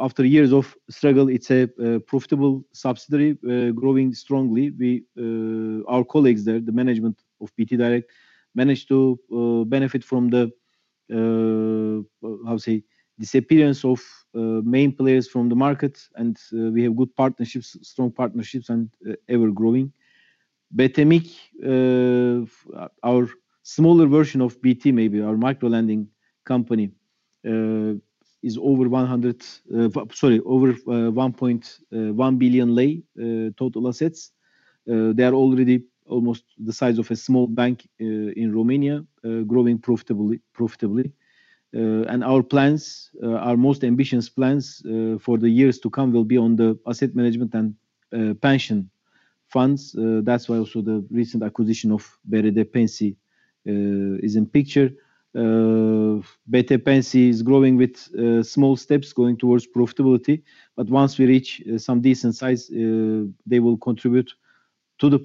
after years of struggle, it's a profitable subsidiary, growing strongly. Our colleagues there, the management of BT Direct, managed to benefit from the, how say, disappearance of main players from the market, and we have good partnerships, strong partnerships, and ever-growing. BT Mic, our smaller version of BT, maybe our micro-lending company, is over 1.1 billion lei total assets. They are already almost the size of a small bank in Romania, growing profitably. Our plans, our most ambitious plans, for the years to come will be on the asset management and pension funds. That's why also the recent acquisition of BT Pensii is in the picture. BT Pensii is growing with small steps going towards profitability, but once we reach some decent size, they will contribute to the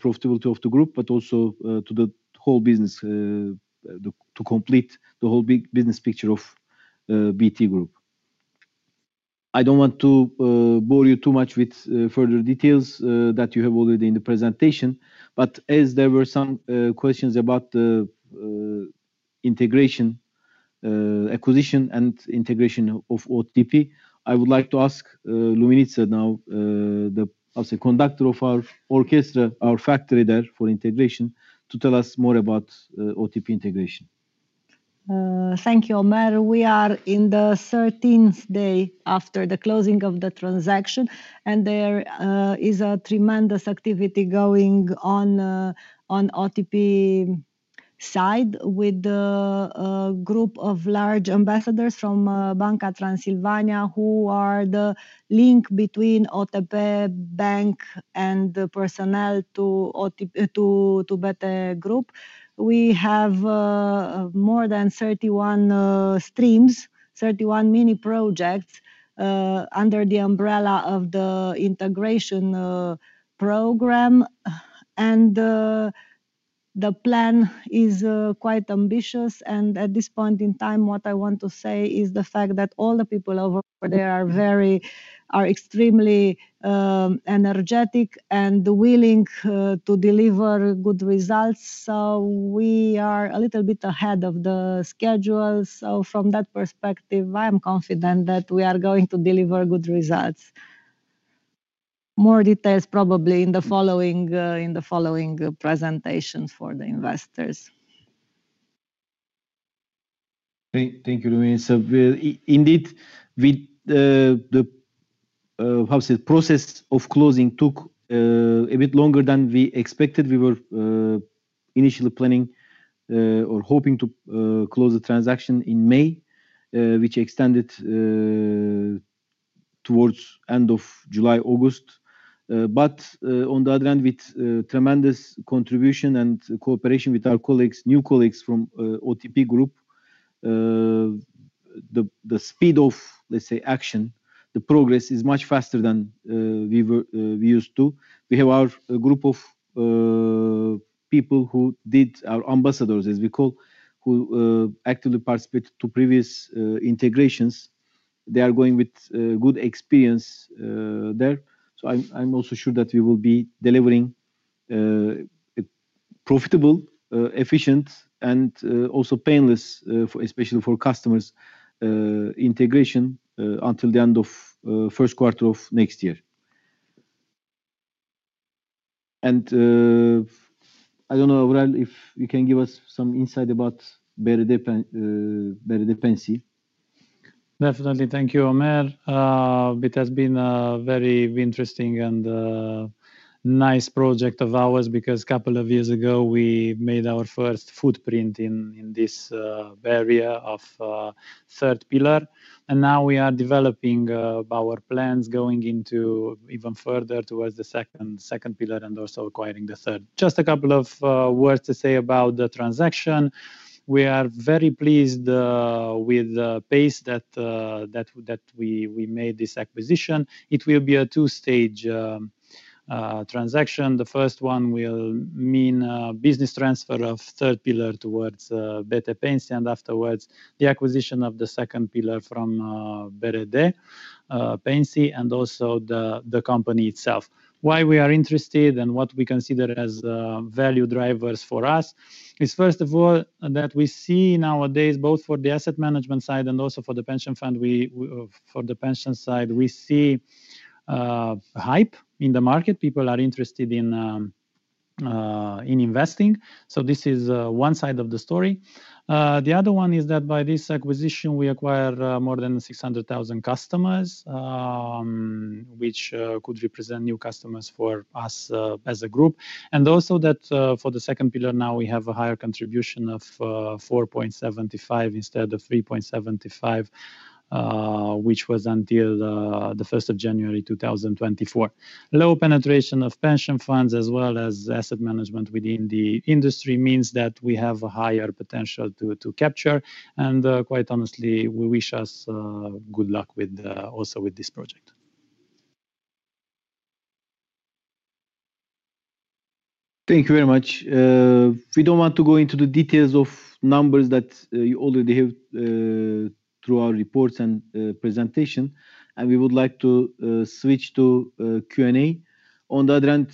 profitability of the group, but also to the whole business, to complete the whole big business picture of BT Group. I don't want to bore you too much with further details that you have already in the presentation, but as there were some questions about the integration, acquisition and integration of OTP, I would like to ask Luminița now, as a conductor of our orchestra, our factor there for integration, to tell us more about OTP integration. Thank you, Ömer. We are in the thirteenth day after the closing of the transaction, and there is a tremendous activity going on on OTP. Side with the group of large ambassadors from Banca Transilvania, who are the link between OTP Bank and the personnel to BT Group. We have more than thirty-one streams, thirty-one mini projects under the umbrella of the integration program. The plan is quite ambitious, and at this point in time, what I want to say is the fact that all the people over there are extremely energetic and willing to deliver good results. We are a little bit ahead of the schedule. From that perspective, I am confident that we are going to deliver good results. More details probably in the following presentations for the investors. Thank you, Luminita. Indeed, with the process of closing took a bit longer than we expected. We were initially planning or hoping to close the transaction in May, which extended towards end of July, August. But on the other hand, with tremendous contribution and cooperation with our colleagues, new colleagues from OTP Group, the speed of, let's say, action, the progress is much faster than we were used to. We have a group of people who did our ambassadors, as we call, who actively participate to previous integrations. They are going with good experience there. So I'm also sure that we will be delivering a profitable, efficient, and also painless, for especially for customers, integration, until the end of first quarter of next year. And I don't know, Aurel, if you can give us some insight about BRD Pensii. Definitely. Thank you, Ömer. It has been a very interesting and nice project of ours, because couple of years ago, we made our first footprint in this area of third pillar, and now we are developing our plans, going into even further towards the second pillar, and also acquiring the third. Just a couple of words to say about the transaction. We are very pleased with the pace that we made this acquisition. It will be a two-stage transaction. The first one will mean business transfer of third pillar towards BT Pensii, and afterwards, the acquisition of the second pillar from BRD Pensii and also the company itself. Why we are interested and what we consider as value drivers for us is, first of all, that we see nowadays, both for the asset management side and also for the pension fund, we for the pension side, we see hype in the market. People are interested in in investing. So this is one side of the story. The other one is that by this acquisition, we acquire more than six hundred thousand customers, which could represent new customers for us as a group. And also that for the second pillar, now we have a higher contribution of four point seventy-five instead of three point seventy-five, which was until the first of January 2024. Low penetration of pension funds as well as asset management within the industry means that we have a higher potential to capture, and quite honestly, we wish us good luck with also with this project. Thank you very much. We don't want to go into the details of numbers that you already have through our reports and presentation, and we would like to switch to Q&A. On the other hand,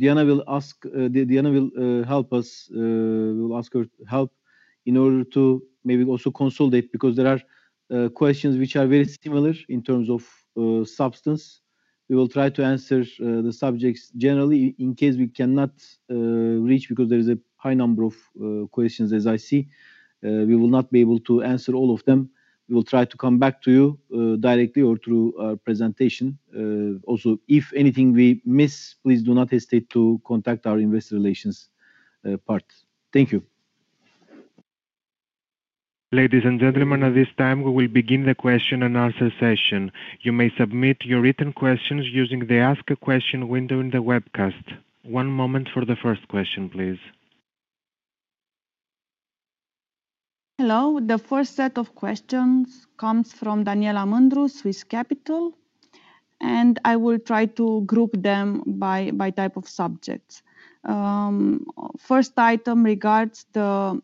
Diana will help us. We will ask her to help in order to maybe also consolidate, because there are questions which are very similar in terms of substance. We will try to answer the subjects generally in case we cannot reach because there is a high number of questions as I see. We will not be able to answer all of them. We will try to come back to you directly or through our presentation. Also, if anything we miss, please do not hesitate to contact our investor relations part. Thank you. Ladies and gentlemen, at this time we will begin the Q&A. You may submit your written questions using the Ask a Question window in the webcast. One moment for the first question, please. Hello, the first set of questions comes from Daniela Mandru, Swiss Capital, and I will try to group them by type of subjects. First item regards the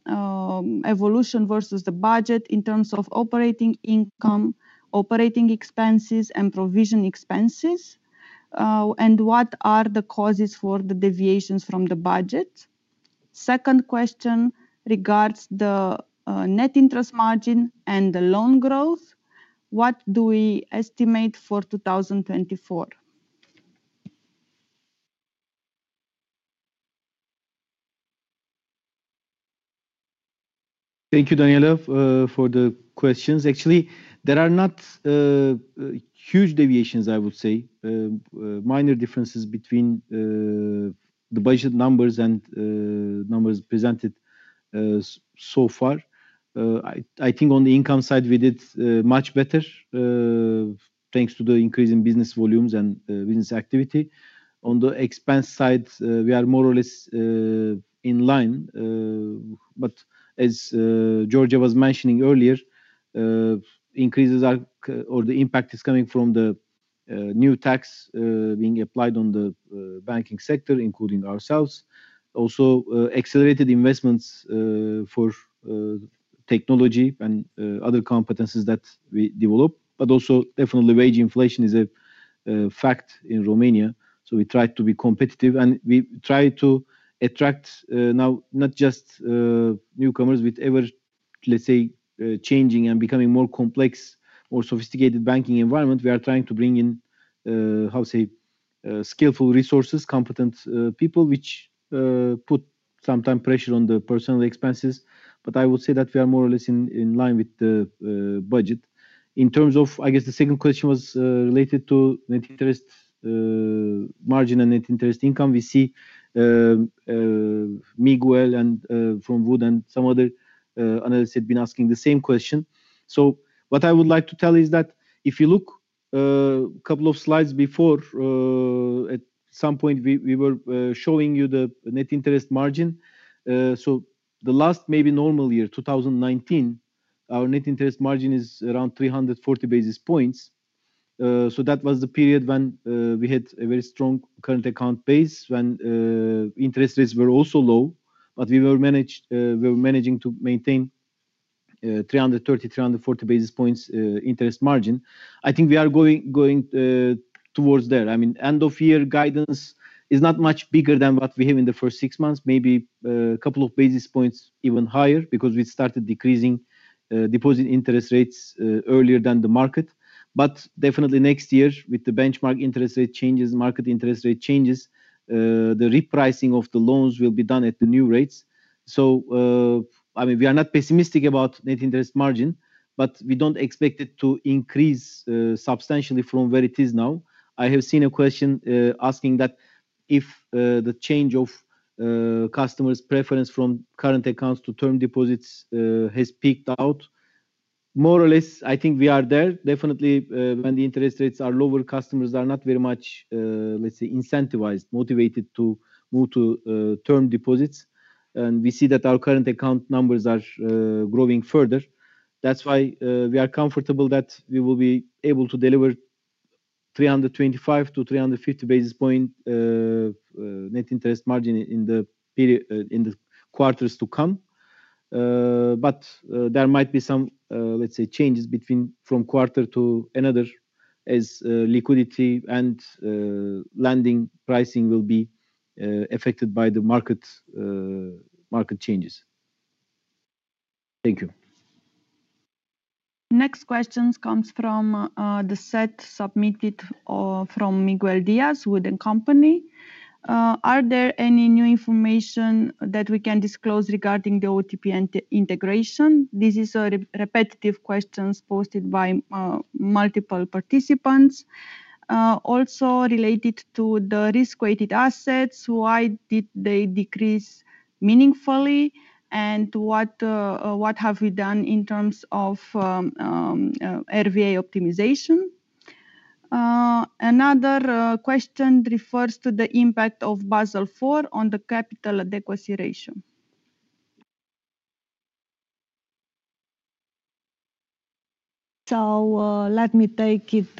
evolution versus the budget in terms of operating income, operating expenses, and provision expenses, and what are the causes for the deviations from the budget? Second question regards the net interest margin and the loan growth. What do we estimate for 2024? Thank you, Diana, for the questions. Actually, there are not huge deviations, I would say, minor differences between the budget numbers and numbers presented so far. I think on the income side, we did much better thanks to the increase in business volumes and business activity. On the expense side, we are more or less in line, but as Georgia was mentioning earlier, increases or the impact is coming from the new tax being applied on the banking sector, including ourselves. Also, accelerated investments for technology and other competencies that we develop, but also definitely wage inflation is a fact in Romania, so we try to be competitive. We try to attract now not just newcomers with ever, let's say, changing and becoming more complex or sophisticated banking environment. We are trying to bring in, how say, skillful resources, competent people, which put sometime pressure on the personnel expenses. But I would say that we are more or less in line with the budget. In terms of, I guess, the second question was related to net interest margin and net interest income. We see Miguel and from Wood and some other analysts had been asking the same question. So what I would like to tell is that, if you look couple of slides before, at some point we were showing you the net interest margin. So the last maybe normal year, two thousand and nineteen, our net interest margin is around three hundred and forty basis points. So that was the period when we had a very strong current account base, when interest rates were also low, but we were managed, we were managing to maintain three hundred and thirty, three hundred and forty basis points interest margin. I think we are going towards there. I mean, end of year guidance is not much bigger than what we have in the first six months, maybe a couple of basis points even higher, because we started decreasing deposit interest rates earlier than the market. But definitely next year, with the benchmark interest rate changes, market interest rate changes, the repricing of the loans will be done at the new rates. So, I mean, we are not pessimistic about net interest margin, but we don't expect it to increase substantially from where it is now. I have seen a question asking that, if the change of customers' preference from current accounts to term deposits has peaked out? More or less, I think we are there. Definitely, when the interest rates are lower, customers are not very much, let's say, incentivized, motivated to move to term deposits. And we see that our current account numbers are growing further. That's why we are comfortable that we will be able to deliver 325 basis point-350 basis point net interest margin in the period, in the quarters to come. But there might be some, let's say, changes between from quarter to another, as liquidity and lending pricing will be affected by the market, market changes. Thank you. Next question comes from the set submitted from Miguel Diaz, Wood & Company. Are there any new information that we can disclose regarding the OTP integration? This is a repetitive question posted by multiple participants. Also related to the risk-weighted assets, why did they decrease meaningfully, and what have you done in terms of RWA optimization? Another question refers to the impact of Basel IV on the capital adequacy ratio. So, let me take it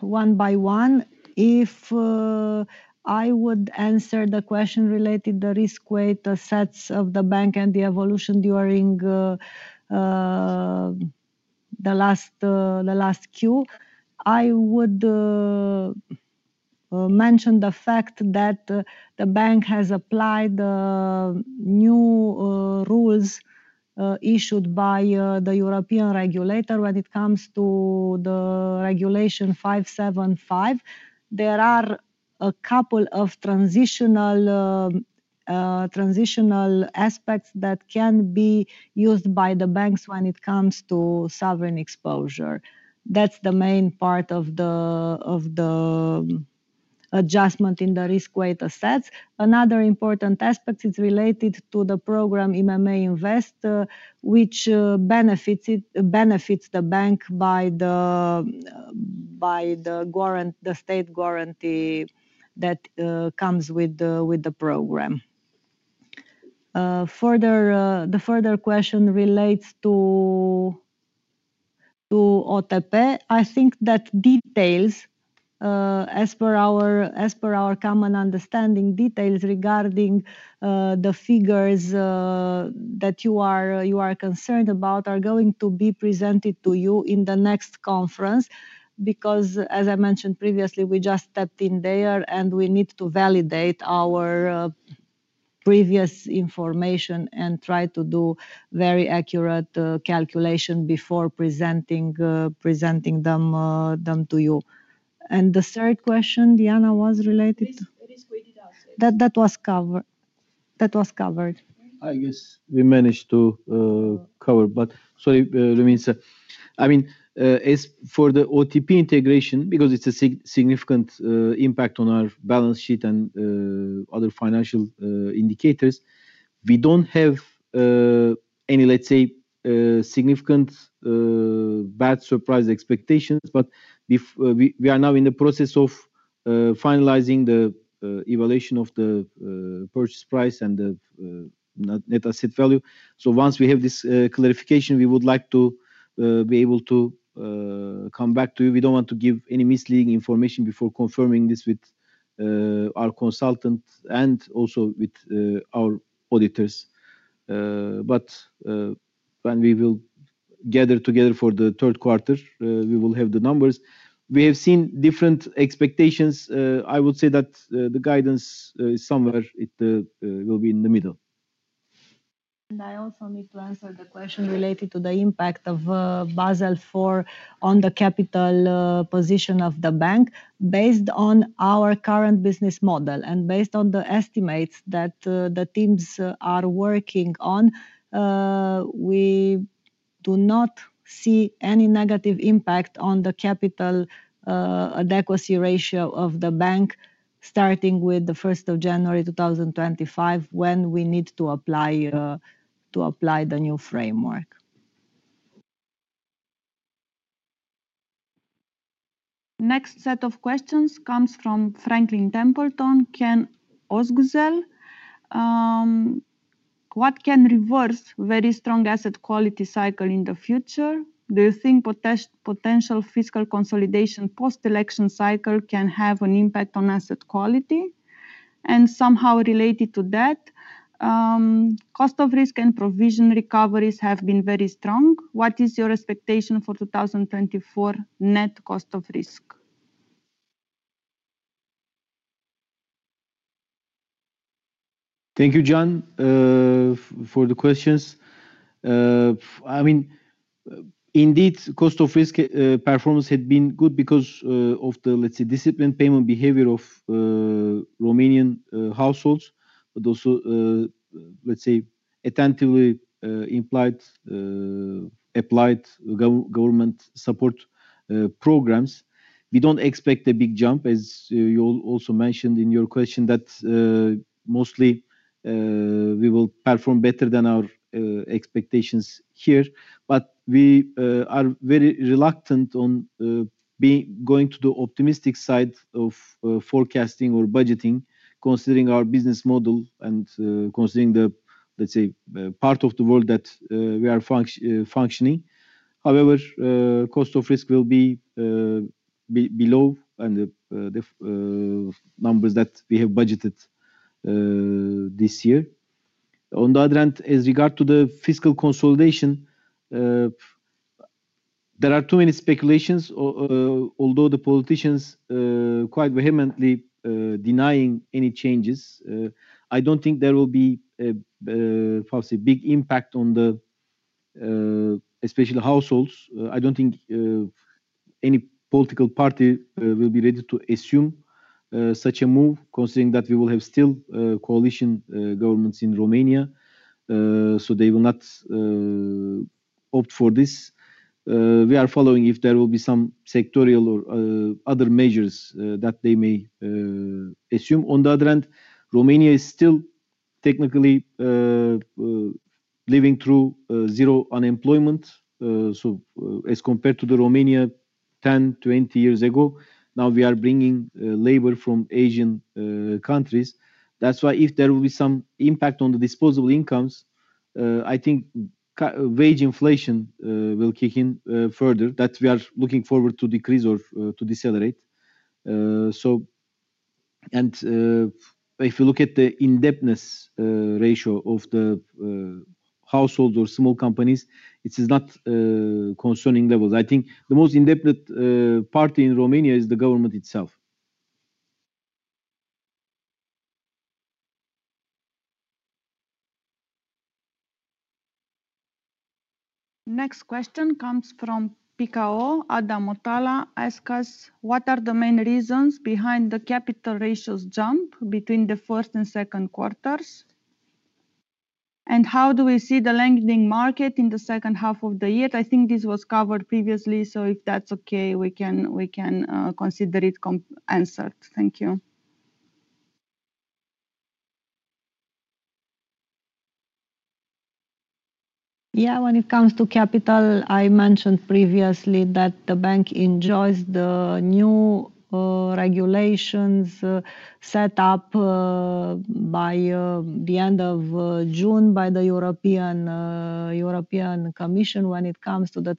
one by one. If I would answer the question related to the risk weights, the assets of the bank, and the evolution during the last Q, I would mention the fact that the bank has applied new rules issued by the European regulator when it comes to Regulation 575. There are a couple of transitional aspects that can be used by the banks when it comes to sovereign exposure. That's the main part of the adjustment in the risk-weighted assets. Another important aspect is related to the program IMM Invest, which benefits the bank by the state guarantee that comes with the program. Further, the further question relates to OTP. I think that details, as per our common understanding, details regarding the figures that you are concerned about are going to be presented to you in the next conference. Because as I mentioned previously, we just stepped in there, and we need to validate our previous information and try to do very accurate calculation before presenting them to you. And the third question, Diana, was related to risk, risk-weighted assets? That was covered. I guess we managed to cover, but sorry, Luminița. I mean, as for the OTP integration, because it's a significant impact on our balance sheet and other financial indicators, we don't have any, let's say, significant bad surprise expectations. But if we are now in the process of finalizing the evaluation of the purchase price and the net asset value. So once we have this clarification, we would like to be able to come back to you. We don't want to give any misleading information before confirming this with our consultant and also with our auditors. But when we will gather together for the third quarter, we will have the numbers. We have seen different expectations. I would say that the guidance somewhere it will be in the middle. I also need to answer the question related to the impact of Basel IV on the capital position of the bank. Based on our current business model and based on the estimates that the teams are working on, we do not see any negative impact on the capital adequacy ratio of the bank, starting with the first of January, two thousand and twenty-five, when we need to apply to apply the new framework. Next set of questions comes from Franklin Templeton, Can Özgel. What can reverse very strong asset quality cycle in the future? Do you think potential fiscal consolidation post-election cycle can have an impact on asset quality? And somehow related to that, cost of risk and provision recoveries have been very strong. What is your expectation for 2024 net cost of risk? Thank you, Can, for the questions. I mean, indeed, cost of risk performance had been good because of the, let's say, disciplined payment behavior of Romanian households, but also, let's say, attentively implied applied government support programs. We don't expect a big jump, as you also mentioned in your question, that mostly we will perform better than our expectations here. But we are very reluctant on going to the optimistic side of forecasting or budgeting, considering our business model and considering the, let's say, part of the world that we are functioning. However, cost of risk will be below the numbers that we have budgeted this year. On the other hand, as regard to the fiscal consolidation, there are too many speculations, although the politicians quite vehemently denying any changes. I don't think there will be a perhaps a big impact on the especially households. I don't think any political party will be ready to assume such a move, considering that we will have still coalition governments in Romania, so they will not opt for this. We are following if there will be some sectorial or other measures that they may assume. On the other hand, Romania is still technically living through zero unemployment. So, as compared to Romania ten twenty years ago, now we are bringing labor from Asian countries. That's why if there will be some impact on the disposable incomes, I think wage inflation will kick in further, that we are looking forward to decrease or to decelerate. So, and, if you look at the indebtedness ratio of the household or small companies, it is not concerning levels. I think the most indebted party in Romania is the government itself. Next question comes from PKO. Adam Opala asks us: what are the main reasons behind the capital ratios jump between the first and second quarters? And how do we see the lending market in the second half of the year? I think this was covered previously, so if that's okay, we can consider it considered answered. Thank you. Yeah, when it comes to capital, I mentioned previously that the bank enjoys the new regulations set up by the end of June by the European Commission when it comes to the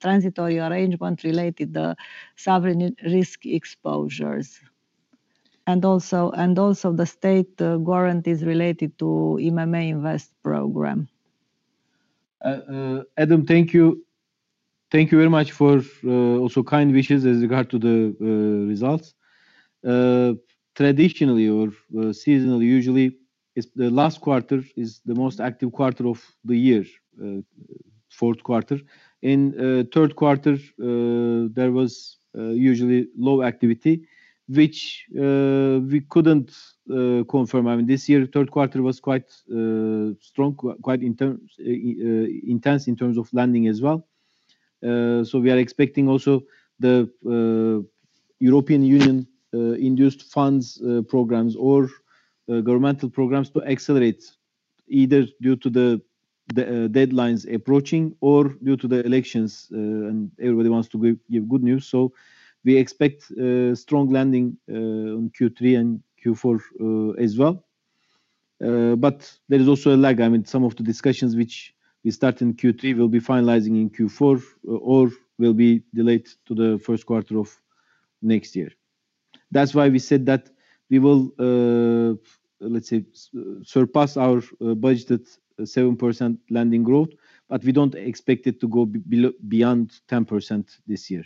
transitory arrangement related to the sovereign risk exposures, and also the state guarantees related to IMM Invest program. Adam, thank you. Thank you very much for also kind wishes as regards to the results. Traditionally or seasonally, usually, it's the last quarter is the most active quarter of the year, fourth quarter. In third quarter, there was usually low activity, which we couldn't confirm. I mean, this year, third quarter was quite strong, quite intense in terms of lending as well. So we are expecting also the European Union induced funds programs or governmental programs to accelerate, either due to the deadlines approaching or due to the elections, and everybody wants to give good news. So we expect strong lending on Q3 and Q4 as well. But there is also a lag. I mean, some of the discussions which we start in Q3 will be finalizing in Q4 or will be delayed to the first quarter of next year. That's why we said that we will, let's say, surpass our budgeted 7% lending growth, but we don't expect it to go beyond 10% this year.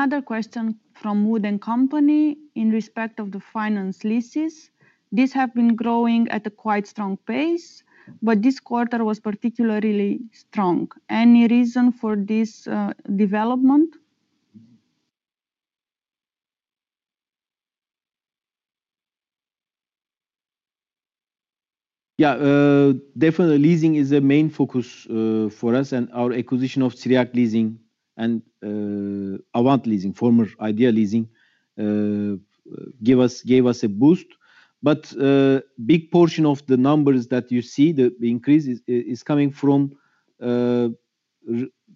Another question from Wood & Company in respect of the finance leases. These have been growing at a quite strong pace, but this quarter was particularly strong. Any reason for this development? Yeah, definitely leasing is a main focus for us, and our acquisition of Țiriac Leasing and Avant Leasing, former Idea Leasing, gave us a boost. But, big portion of the numbers that you see, the increase is coming from,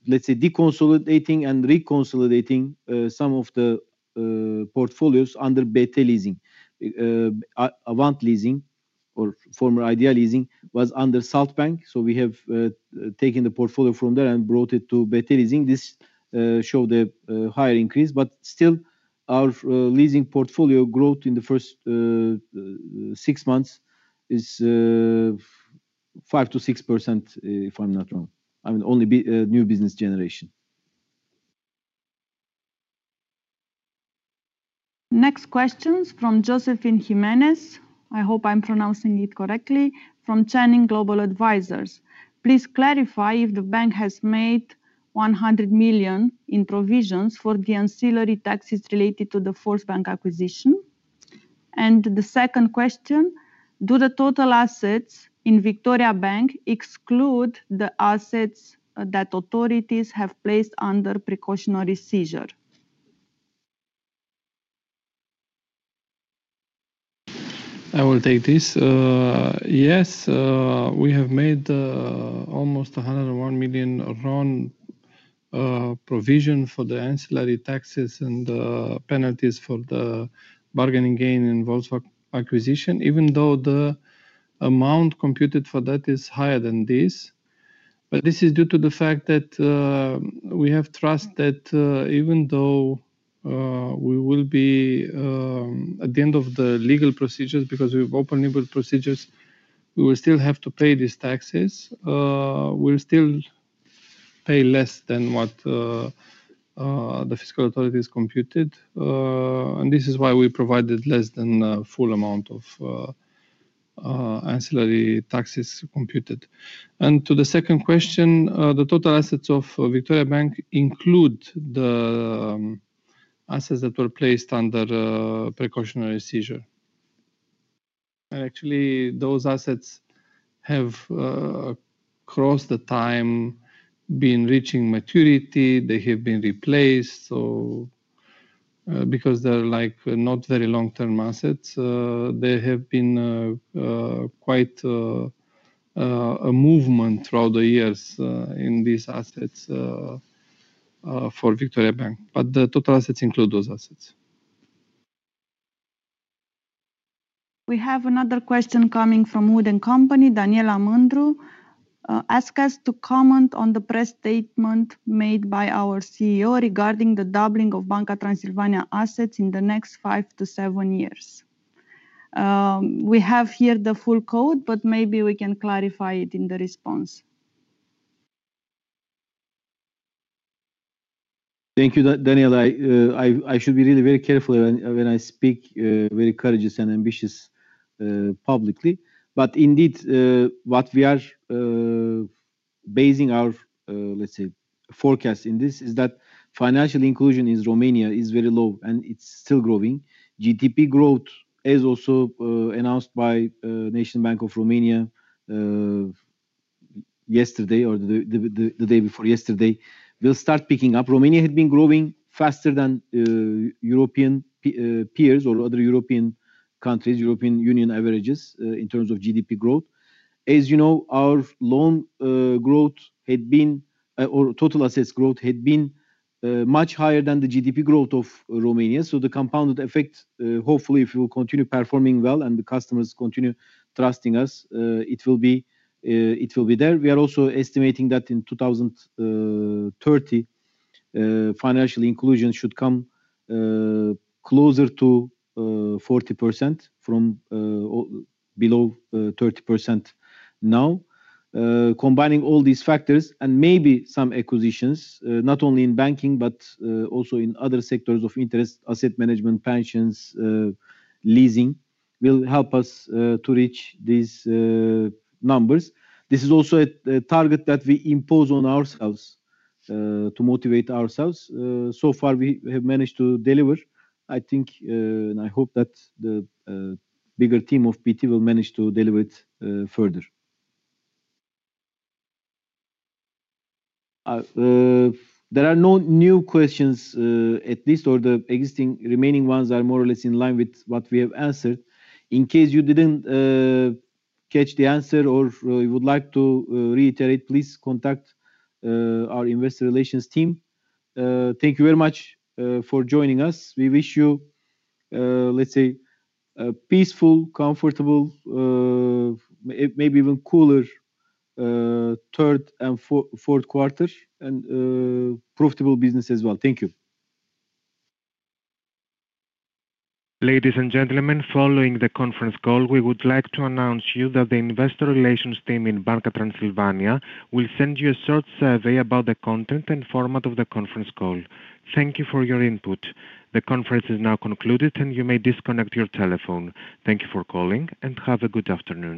let's say, deconsolidating and reconsolidating some of the portfolios under BT Leasing. Avant Leasing or former Idea Leasing, was under Salt Bank, so we have taken the portfolio from there and brought it to BT Leasing. This show the higher increase, but still, our leasing portfolio growth in the first six months is 5%-6%, if I'm not wrong. I mean, only new business generation. Next questions from Josephine Jimenez, I hope I'm pronouncing it correctly, from Channing Global Advisors. Please clarify if the bank has made one hundred million in provisions for the ancillary taxes related to the Volksbank acquisition? And the second question: Do the total assets in Victoriabank exclude the assets that authorities have placed under precautionary seizure? I will take this. Yes, we have made almost RON 101 million provision for the ancillary taxes and penalties for the bargaining gain in Volksbank acquisition, even though the amount computed for that is higher than this, but this is due to the fact that we have trust that even though we will be at the end of the legal procedures, because we've opened legal procedures, we will still have to pay these taxes. We'll still pay less than what the fiscal authority is computed, and this is why we provided less than full amount of ancillary taxes computed. To the second question, the total assets of Victoriabank include the assets that were placed under precautionary seizure. Actually, those assets have across the time been reaching maturity. They have been replaced, so because they're like not very long-term assets, there have been quite a movement throughout the years in these assets for Victoriabank, but the total assets include those assets. We have another question coming from Wood & Company. Daniela Mandru ask us to comment on the press statement made by our CEO regarding the doubling of Banca Transilvania assets in the next five to seven years. We have here the full quote, but maybe we can clarify it in the response. Thank you, Daniela. I should be really very careful when I speak very courageous and ambitious publicly. But indeed, what we are basing our, let's say, forecast in this, is that financial inclusion in Romania is very low, and it's still growing. GDP growth is also announced by National Bank of Romania yesterday or the day before yesterday, will start picking up. Romania had been growing faster than European peers or other European countries, European Union averages, in terms of GDP growth. As you know, our loan growth had been or total assets growth had been much higher than the GDP growth of Romania. So the compounded effect, hopefully, if we will continue performing well and the customers continue trusting us, it will be, it will be there. We are also estimating that in 2030, financial inclusion should come closer to 40% from below 30% now. Combining all these factors and maybe some acquisitions, not only in banking, but also in other sectors of interest, asset management, pensions, leasing, will help us to reach these numbers. This is also a target that we impose on ourselves to motivate ourselves. So far, we have managed to deliver, I think, and I hope that the bigger team of BT will manage to deliver it further. There are no new questions, at least, or the existing remaining ones are more or less in line with what we have answered. In case you didn't catch the answer or you would like to reiterate, please contact our investor relations team. Thank you very much for joining us. We wish you, let's say, a peaceful, comfortable, maybe even cooler, third and fourth quarter, and profitable business as well. Thank you. Ladies and gentlemen, following the conference call, we would like to announce you that the investor relations team in Banca Transilvania will send you a short survey about the content and format of the conference call. Thank you for your input. The conference is now concluded, and you may disconnect your telephone. Thank you for calling, and have a good afternoon.